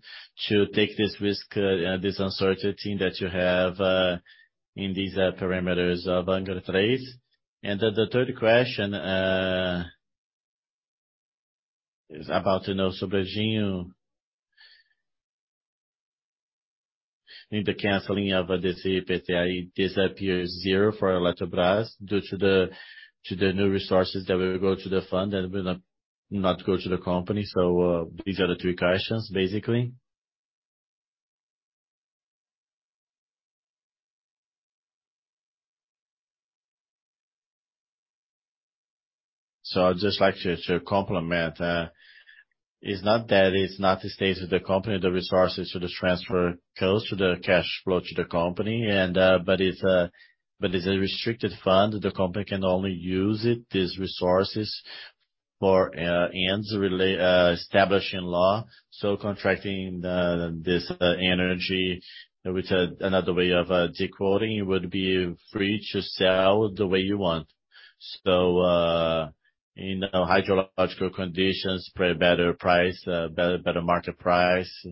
to take this risk, this uncertainty that you have in these parameters of Angra three. The third question is about to know Sobradinho. In the canceling of this PTV, it disappears zero for Eletrobras due to the new resources that will go to the fund and will not go to the company. These are the three questions, basically. I'd just like to complement. It's not that, it's not the status of the company, the resources for this transfer goes to the cash flow to the company, but it's a restricted fund. The company can only use these resources for ends establishing law. Contracting this energy with another way of decoding it would be free to sell the way you want. In hydrological conditions, probably better price, better market price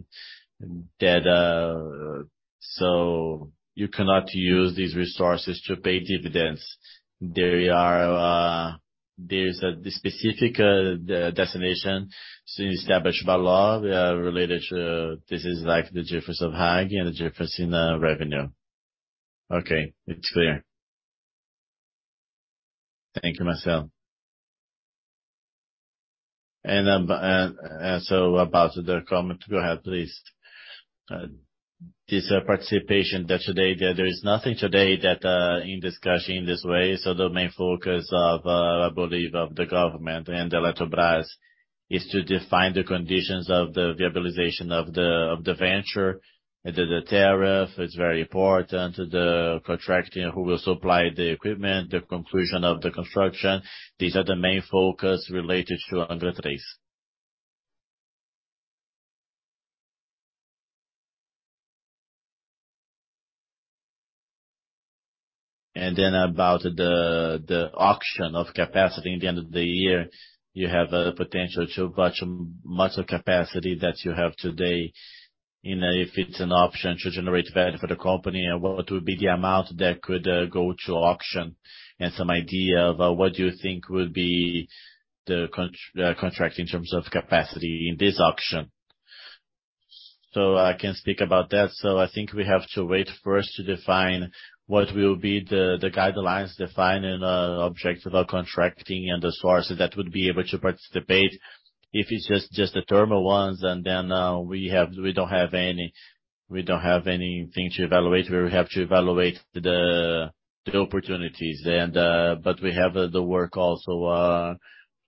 you cannot use these resources to pay dividends. There are, there's a specific destination established by law related to this is like the difference of high and the difference in the revenue. Okay. It's clear. Thank you, Marcelo. About the comment. Go ahead, please. This participation that today, there is nothing in discussion in this way. The main focus of, I believe of the government and Eletrobras is to define the conditions of the viabilization of the venture. The tariff is very important. The contracting who will supply the equipment, the conclusion of the construction, these are the main focus related to Angra three. About the auction of capacity in the end of the year. You have a potential to much capacity that you have today in a, if it's an option to generate value for the company and what would be the amount that could go to auction and some idea about what you think would be the contract in terms of capacity in this auction. I can speak about that. I think we have to wait first to define what will be the guidelines defined and object about contracting and the sources that would be able to participate. If it's just the thermal ones, and then we don't have anything to evaluate, we will have to evaluate the opportunities. But we have the work also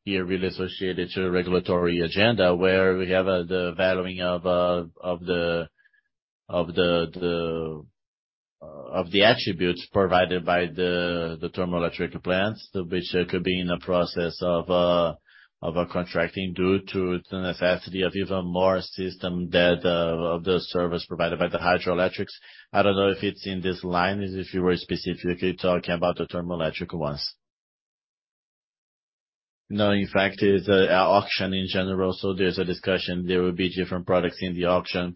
here really associated to regulatory agenda where we have the valuing of the attributes provided by the thermoelectric plants, which could be in a process of a contracting due to the necessity of even more system that of the service provided by the hydroelectrics. I don't know if it's in this line, if you were specifically talking about the thermoelectric ones. No, in fact it's auction in general. There's a discussion. There will be different products in the auction,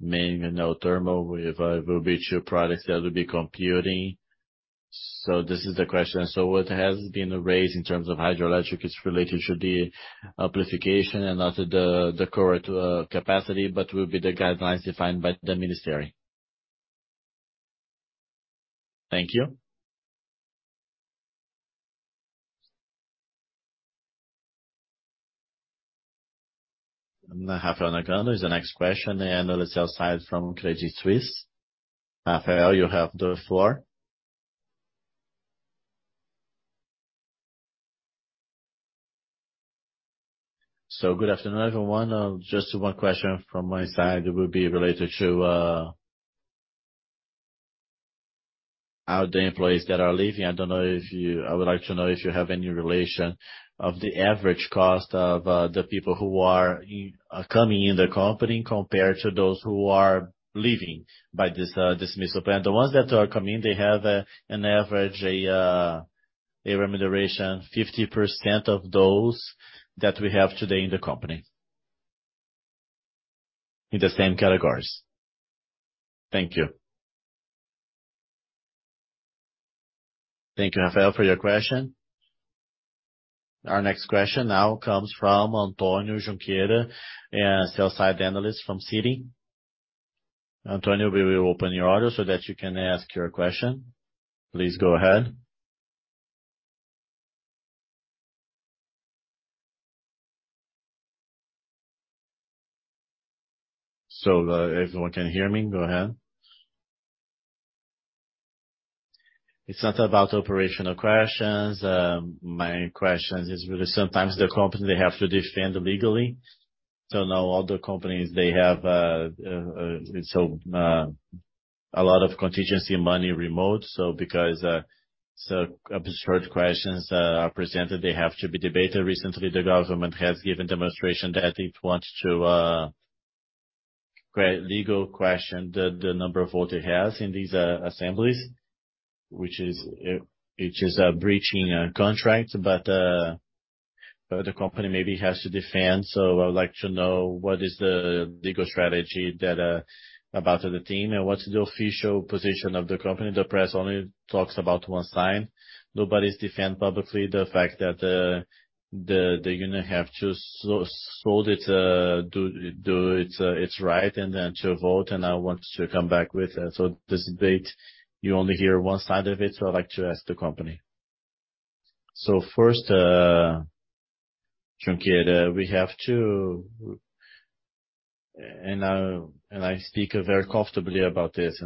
meaning no thermal. There will be two products that will be computing. This is the question. What has been raised in terms of hydroelectric is related to the amplification and not the current capacity, but will be the guidelines defined by the Ministry. Thank you. Rafael Nagano is the next question. On the sales side from Credit Suisse. Rafael, you have the floor. Good afternoon, everyone. Just one question from my side will be related to the employees that are leaving. I don't know if you... I would like to know if you have any relation of the average cost of the people who are coming in the company compared to those who are leaving by this dismissal plan. The ones that are coming, they have an average a remuneration 50% of those that we have today in the company. In the same categories. Thank you. Thank you, Rafael, for your question. Our next question now comes from Antonio Junqueira, a sell side analyst from Citi. Antonio, we will open your audio so that you can ask your question. Please go ahead. Everyone can hear me, go ahead. It's not about operational questions. My questions is really sometimes the company they have to defend legally. Now other companies they have a lot of contingency money remote. Because so absurd questions are presented, they have to be debated. Recently, the government has given demonstration that it wants to create legal question the number of vote it has in these assemblies, which is breaching a contract. The company maybe has to defend. I would like to know what is the legal strategy that about the team and what's the official position of the company? The press only talks about one side. Nobody's defend publicly the fact that the union have to sold its do its right and then to vote. I want to come back with this debate, you only hear one side of it, so I'd like to ask the company. First, Junqueira, we have to... I speak very comfortably about this.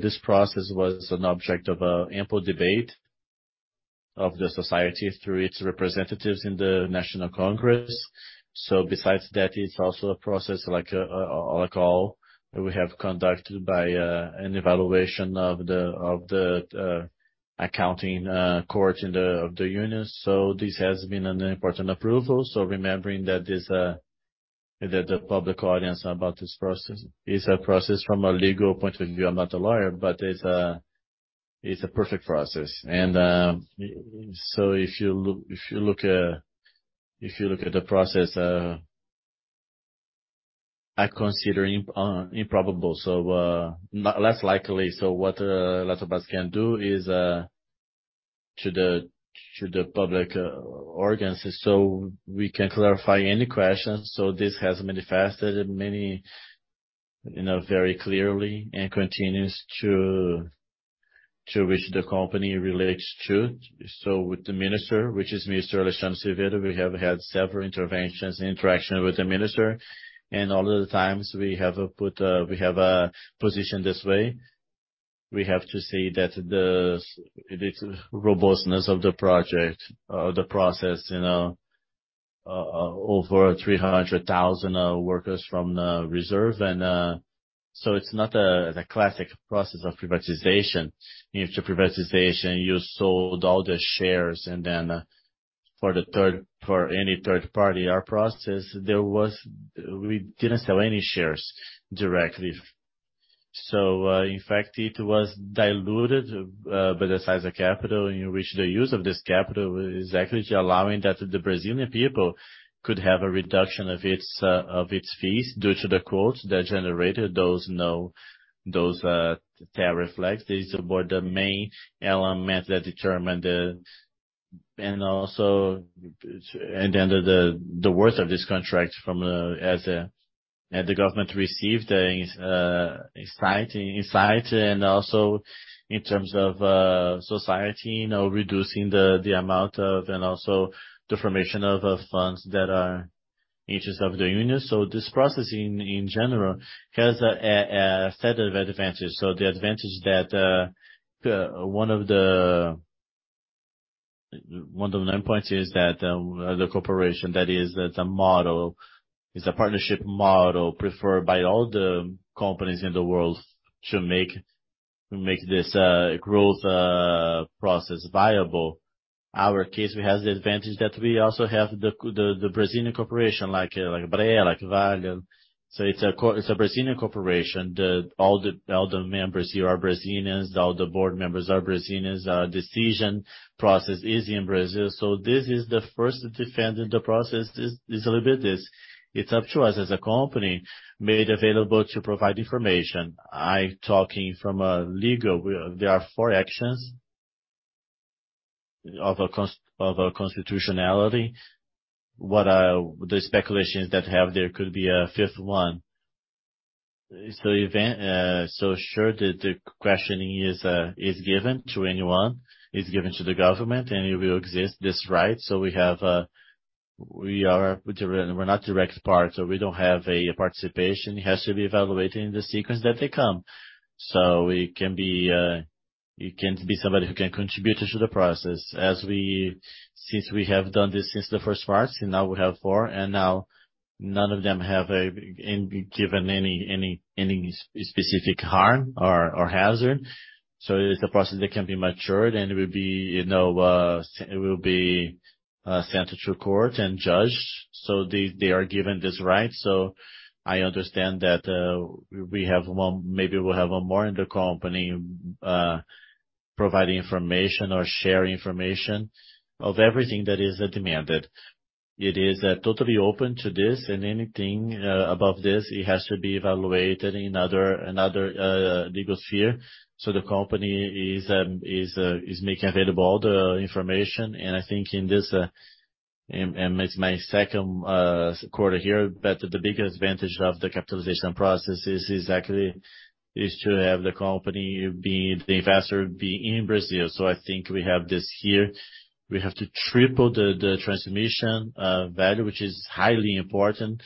This process was an object of ample debate of the society through its representatives in the National Congress. Besides that, it's also a process like all that we have conducted by an evaluation of the accounting court of the Unions. This has been an important approval. Remembering that this that the public audience about this process is a process from a legal point of view, I'm not a lawyer, but it's a perfect process. If you look, if you look at the process, I consider improbable, not less likely. What lots of us can do is to the public organs, so we can clarify any questions. This has manifested many, you know, very clearly and continues to which the company relates to. With the Minister, which is Mr. AlexAndré Silveira, we have had several interventions, interaction with the Minister, and all of the times we have put, we have positioned this way. We have to say that the robustness of the project, the process, you know, over 300,000 workers from the reserve. It's not the classic process of privatization. If the privatization, you sold all the shares and then for any third party, our process, we didn't sell any shares directly. In fact, it was diluted by the size of capital in which the use of this capital is actually allowing that the Brazilian people could have a reduction of its fees due to the quotes that generated those tariff leaks. This is about the main element that determine the. The worth of this contract from, as the government received, insight and also in terms of society, you know, reducing the amount of and also the formation of funds that are interest of the Union. This process in general has a set of advantages. The advantage that one of the, one of the main points is that the corporation that is, that the model is a partnership model preferred by all the companies in the world to make, to make this growth process viable. Our case, we have the advantage that we also have the Brazilian corporation like Braskem, like Vale. It's a Brazilian corporation. The, all the, all the members here are Brazilians. All the board members are Brazilians. Our decision process is in Brazil. This is the first defendant. The process is a little bit this. It's up to us as a company made available to provide information. I talking from a legal, there are four actions of a constitutionality. What, the speculations that have there could be a fifth one. Even, so sure the questioning is given to anyone, is given to the government, and it will exist this right. We're not direct part, so we don't have a participation. It has to be evaluated in the sequence that they come. It can be somebody who can contribute to the process since we have done this since the first part, and now we have four, and now none of them have given any specific harm or hazard. It's a process that can be matured, and it will be, you know, sent to court and judged. They are given this right. I understand that we'll have one more in the company providing information or sharing information of everything that is demanded. It is totally open to this, and anything above this, it has to be evaluated in another legal sphere. The company is making available all the information. I think in this it's my second quarter here, but the biggest advantage of the capitalization process is exactly to have the investor be in Brazil. I think we have this here. We have to triple the transmission value, which is highly important,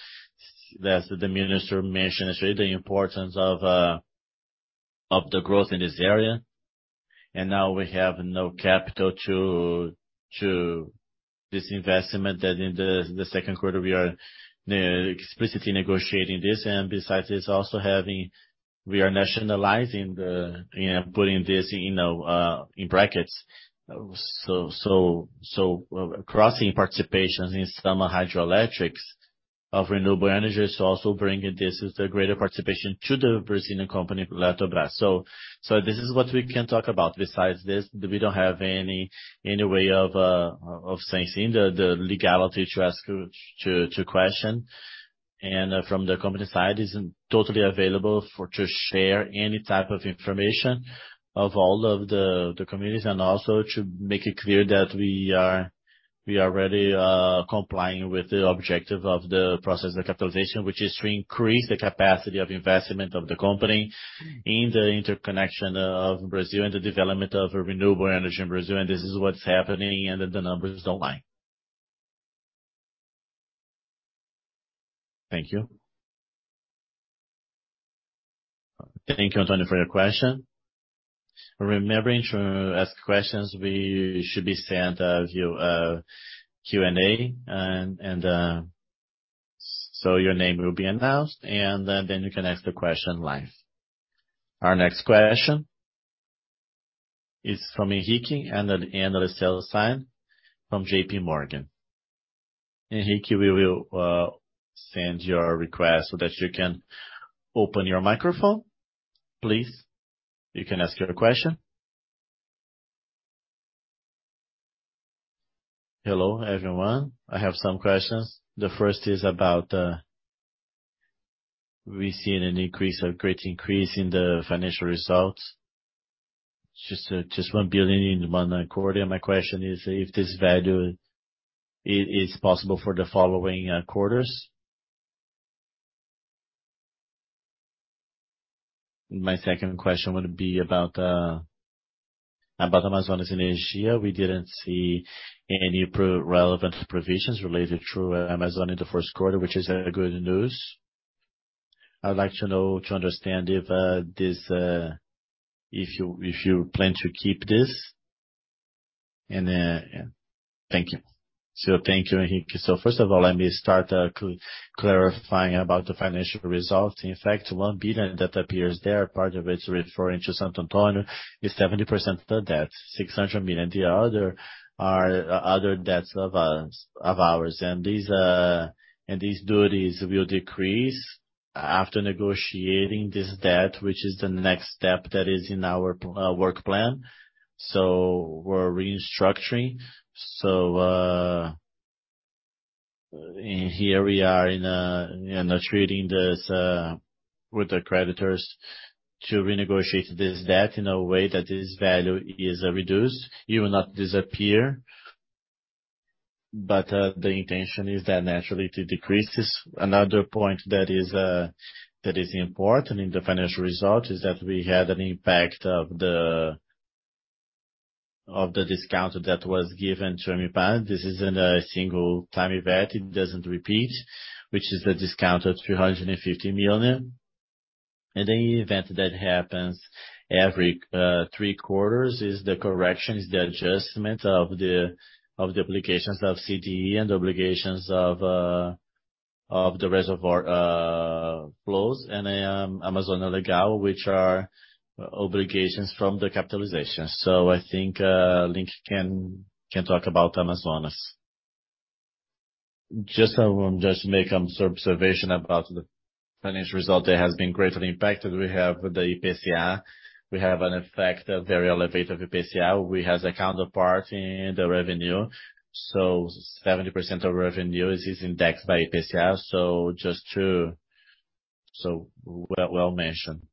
as the Minister mentioned yesterday, the importance of the growth in this area. Now we have no capital to this investment that in the second quarter we are explicitly negotiating this. Besides this, also having, we are nationalizing the, you know, putting this, you know, in brackets. Crossing participations in some hydroelectrics of renewable energy is also bringing this as the greater participation to the Brazilian company Eletrobras. This is what we can talk about. Besides this, we don't have any way of sensing the legality to question. From the company side, it's totally available to share any type of information of all of the communities, and also to make it clear that we are really complying with the objective of the process of capitalization, which is to increase the capacity of investment of the company in the interconnection of Brazil and the development of renewable energy in Brazil. This is what's happening, and the numbers don't lie. Thank you. Thank you, Antonio, for your question. Remembering to ask questions, we should be sent your Q&A. Your name will be announced, and then you can ask the question live. Our next question is from Henrique under the analyst side from JPMorgan. Henrique, we will send your request so that you can open your microphone, please. You can ask your question. Hello, everyone. I have some questions. The first is about, we've seen a great increase in the financial results. Just 1 billion in one quarter. My question is if this value is possible for the following quarters. My second question would be about Amazonas Energia. We didn't see any relevant provisions related to Amazon in the first quarter, which is good news. I'd like to understand if this, if you, if you plan to keep this. Yeah. Thank you. Thank you, Henrique. First of all, let me start clarifying about the financial results. In fact, 1 billion that appears there, part of it is referring to Santo Antônio, is 70% of the debt, 600 million. The other are other debts of ours. These duties will decrease after negotiating this debt, which is the next step that is in our work plan. We're restructuring. Here we are in, you know, treating this with the creditors to renegotiate this debt in a way that this value is reduced. It will not disappear, but the intention is that naturally it decreases. Another point that is important in the financial result is that we had an impact of the discount that was given to AMIPAR. This isn't a single time event. It doesn't repeat, which is a discount of 350 million. The event that happens every three quarters is the corrections, the adjustment of the obligations of CDE and obligations of the reservoir flows, and Amazônia Legal, which are obligations from the capitalization. I think Linc can talk about Amazonas Energia. Just make some observation about the financial result that has been greatly impacted. We have the IPCA. We have an effect, a very elevated IPCA. We have the counterpart in the revenue. 70% of revenue is indexed by IPCA. So well mentioned.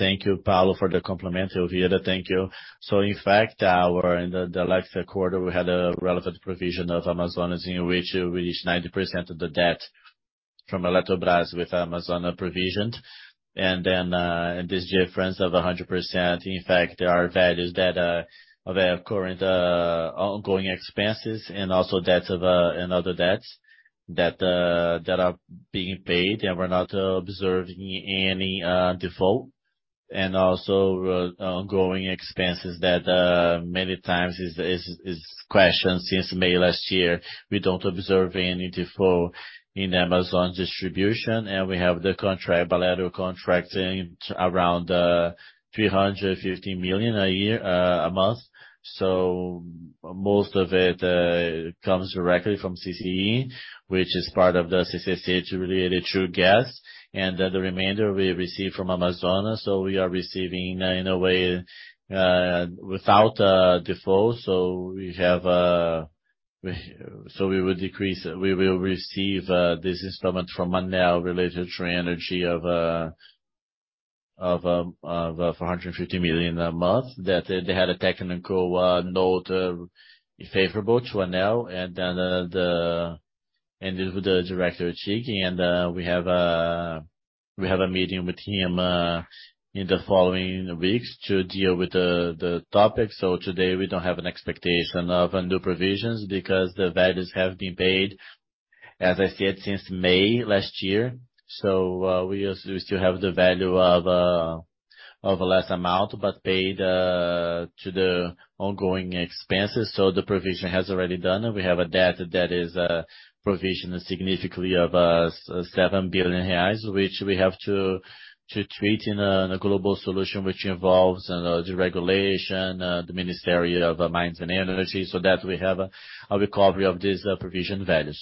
Thank you, Paulo, for the compliment. Elvira, thank you. In fact, we're in the last quarter, we had a relevant provision of Amazonas Energia in which 90% of the debt from Eletrobras with Amazonas Energia provisioned. This difference of 100%, in fact, there are values that they have current ongoing expenses and also debts of and other debts that that are being paid, and we're not observing any default. Ongoing expenses that many times is questioned since May last year. We don't observe any default in Amazonas Energia, and we have the contract, bilateral contract, in around 350 million a year, a month. Most of it comes directly from CCEE, which is part of the CCC related to gas, and the remainder we receive from Amazonas Energia. We are receiving in a way, without default. We have, we will receive this installment from Manaus related to energy of 450 million a month that they had a technical note favorable to one now. With the Director Chiqui, we have a meeting with him in the following weeks to deal with the topic. Today, we don't have an expectation of new provisions because the values have been paid, as I said, since May last year. We still have the value of a less amount, but paid to the ongoing expenses. The provision has already done. We have a debt that is, provisioned significantly of, 7 billion reais, which we have to treat in a global solution which involves the regulation, the Ministry of Mines and Energy, so that we have a recovery of these provision values.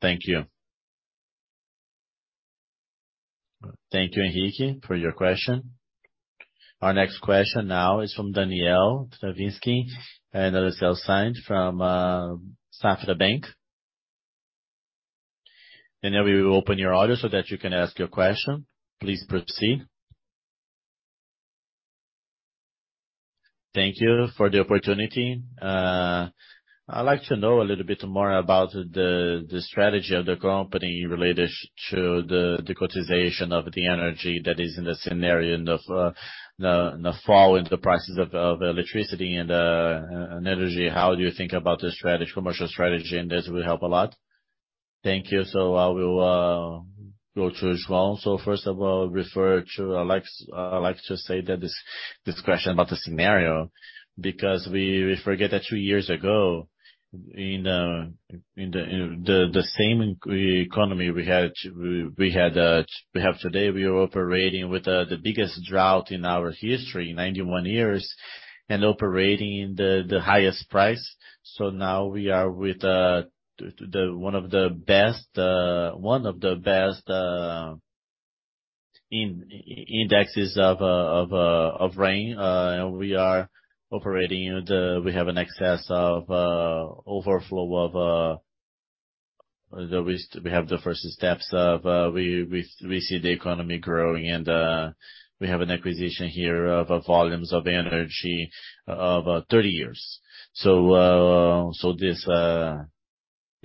Thank you. Thank you, Henrique, for your question. Our next question now is from Daniel Travitzky at Safra. Daniel, we will open your audio so that you can ask your question. Please proceed. Thank you for the opportunity. I'd like to know a little bit more about the strategy of the company related to the cotization of the energy that is in the scenario and of the fall in the prices of electricity and energy. How do you think about the strategy, commercial strategy, and this will help a lot. Thank you. I will go to João. First of all, refer to Alex. I'd like to say that this question about the scenario, because we forget that two years ago in the same economy we had, we had, we have today, we are operating with the biggest drought in our history, 91 years, and operating the highest price. Now we are with one of the best indexes of rain. We are operating in the. We have an excess of overflow of the. We have the first steps of, we see the economy growing, and we have an acquisition here of volumes of energy of 30 years. This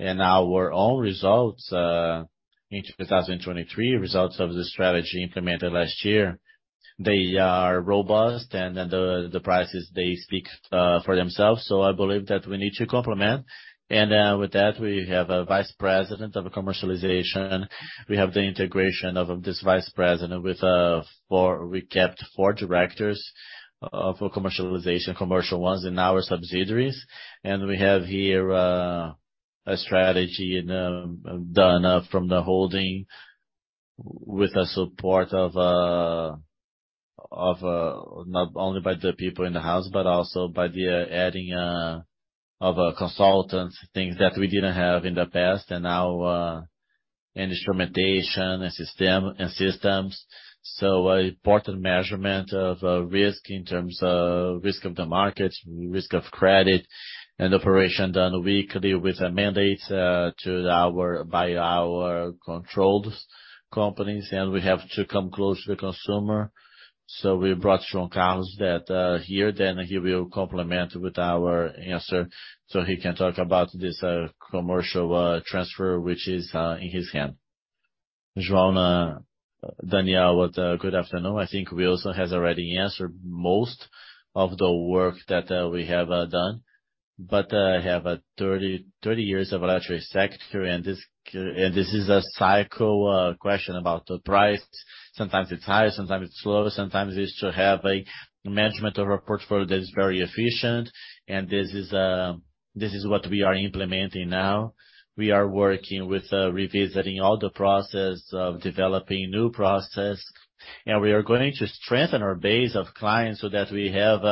and our own results in 2023, results of the strategy implemented last year, they are robust and the prices, they speak for themselves. I believe that we need to complement. With that, we have a vice president of commercialization. We have the integration of this vice president with four directors for commercialization, commercial ones in our subsidiaries. We have here a strategy done from the holding with the support of not only by the people in the house, but also by the adding of consultants, things that we didn't have in the past, and now instrumentation and systems. Important measurement of risk in terms of risk of the market, risk of credit, and operation done weekly with a mandate by our controlled companies. We have to come close to the consumer. We brought João Carlos that here, he will complement with our answer, so he can talk about this commercial transfer, which is in his hand. João, Daniel, good afternoon. I think Wilson has already answered most of the work that we have done, but I have 30 years of electric sector, and this is a cycle question about the price. Sometimes it's high, sometimes it's low, sometimes it's to have a management of our portfolio that is very efficient. This is what we are implementing now. We are working with revisiting all the process, developing new process. We are going to strengthen our base of clients so that we have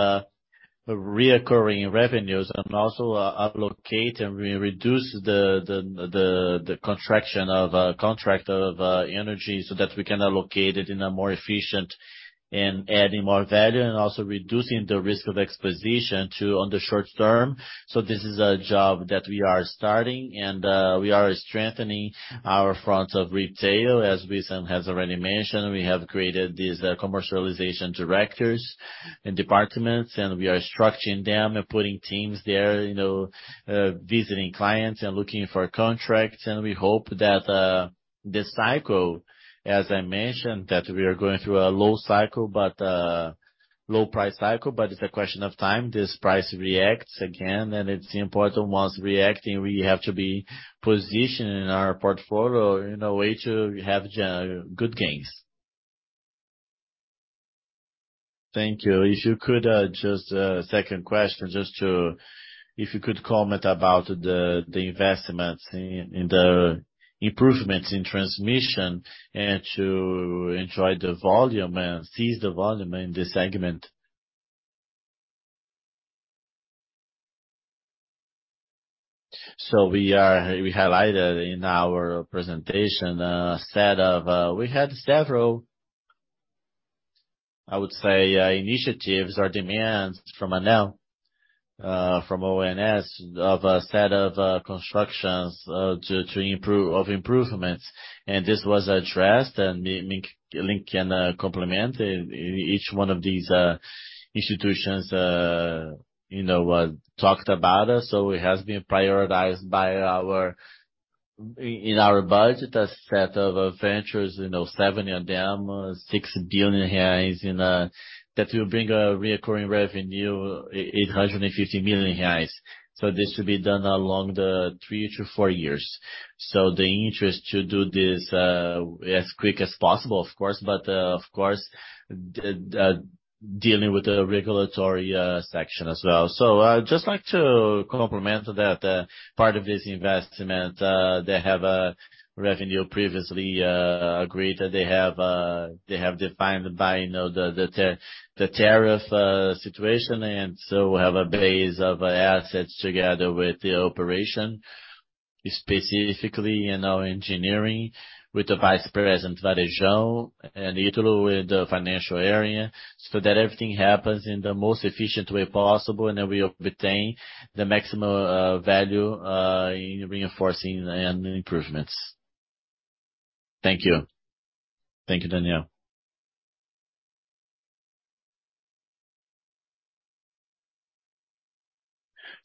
reoccurring revenues and also allocate and reduce the contraction of contract of energy so that we can allocate it in a more efficient and adding more value, and also reducing the risk of exposure to on the short term. This is a job that we are starting, and we are strengthening our front of retail. As Wilson has already mentioned, we have created these commercialization directors and departments, and we are structuring them and putting teams there, you know, visiting clients and looking for contracts. We hope that The cycle, as I mentioned, that we are going through a low cycle, but low price cycle, but it's a question of time. This price reacts again, it's important once reacting, we have to be positioned in our portfolio in a way to have gen-good gains. Thank you. If you could just a second question. If you could comment about the investments in the improvements in transmission and to enjoy the volume and seize the volume in this segment. We highlighted in our presentation set of, we had several, I would say initiatives or demands from ANEEL, from ONS of a set of constructions to improve of improvements. This was addressed, and Linc can complement each one of these institutions, you know, talked about. It has been prioritized by our budget, a set of ventures, you know, seven of them, 6 billion reais, and that will bring a recurring revenue, 850 million reais. This will be done along the three to four years. The interest to do this as quick as possible, of course, but of course, dealing with the regulatory section as well. I'd just like to complement that part of this investment, they have a revenue previously agreed that they have defined by, you know, the tariff situation. We have a base of assets together with the operation, specifically in our engineering with Vice President Varejão, and Ítalo with the financial area, so that everything happens in the most efficient way possible, and then we obtain the maximum value in reinforcing and improvements. Thank you. Thank you, Daniel.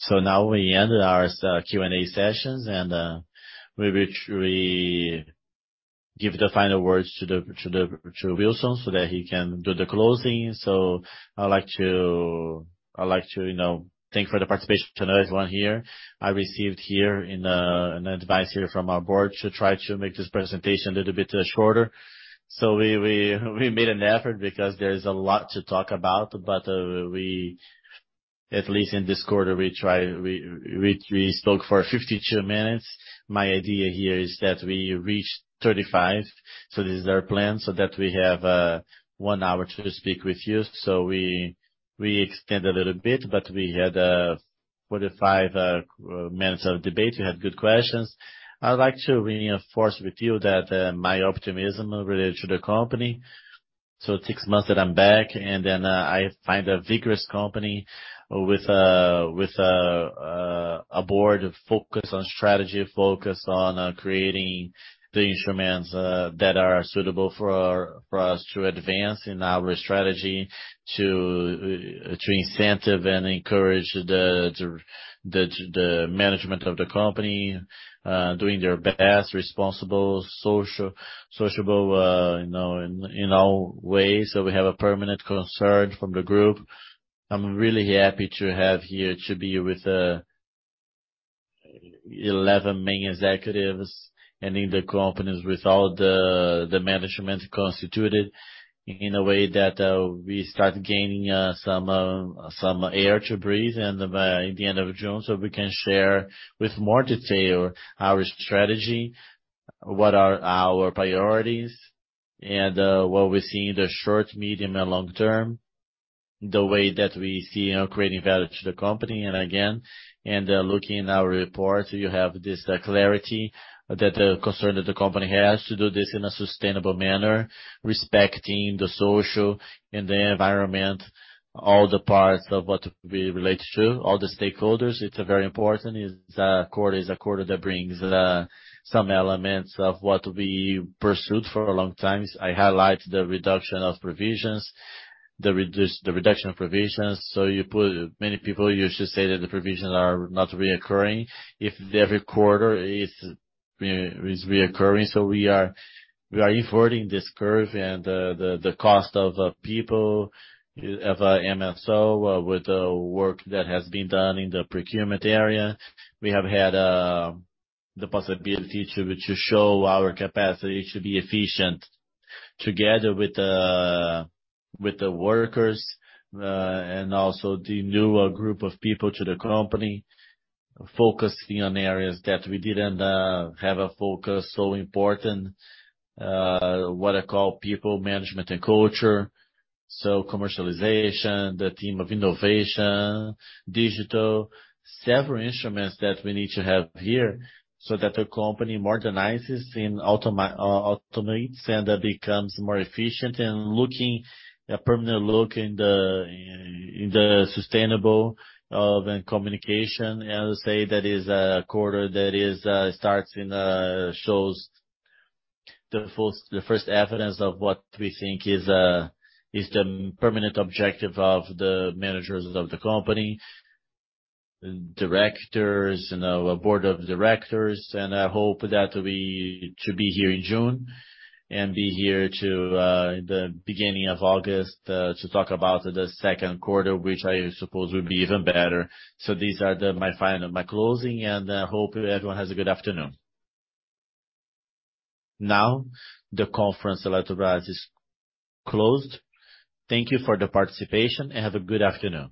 Now we end our Q&A sessions, and we will give the final words to Wilson so that he can do the closing. I'd like to, you know, thank for the participation to everyone here. I received here in an advice here from our board to try to make this presentation a little bit shorter. We made an effort because there's a lot to talk about. We, at least in this quarter, we spoke for 52 minutes. My idea here is that we reach 35. This is our plan, so that we have 1 hour to speak with you. We, we extend a little bit, but we had 45 minutes of debate. We had good questions. I'd like to reinforce with you that my optimism related to the company. 6 months that I'm back, I find a vigorous company with a board focused on strategy, focused on creating the instruments that are suitable for us to advance in our strategy to incentive and encourage the management of the company doing their best, responsible, social, sociable, you know, in all ways. We have a permanent concern from the group. I'm really happy to have here to be with 11 main executives and in the companies with all the management constituted in a way that we start gaining some air to breathe and by the end of June, so we can share with more detail our strategy, what are our priorities and what we see in the short, medium and long term, the way that we see, you know, creating value to the company. Again, looking in our report, you have this clarity that the concern that the company has to do this in a sustainable manner, respecting the social and the environment, all the parts of what we relate to, all the stakeholders. It's a very important. Quarter is a quarter that brings some elements of what we pursued for a long time. I highlight the reduction of provisions, the reduction of provisions. You put many people used to say that the provisions are not reoccurring. If every quarter is reoccurring, we are inverting this curve and the cost of people, of PMSO with the work that has been done in the procurement area. We have had the possibility to show our capacity to be efficient together with the workers, also the new group of people to the company, focusing on areas that we didn't have a focus so important, what I call people management and culture. Commercialization, the team of innovation, digital, several instruments that we need to have here so that the company modernizes and automates and becomes more efficient and looking, a permanent look in the sustainable of communication. Say that is a quarter that is starts and shows the first evidence of what we think is the permanent objective of the managers of the company, directors, you know, board of directors. I hope that we to be here in June and be here to the beginning of August to talk about the second quarter, which I suppose will be even better. These are my final, my closing, and hope everyone has a good afternoon. Now, the conference Eletrobras is closed. Thank you for the participation, and have a good afternoon.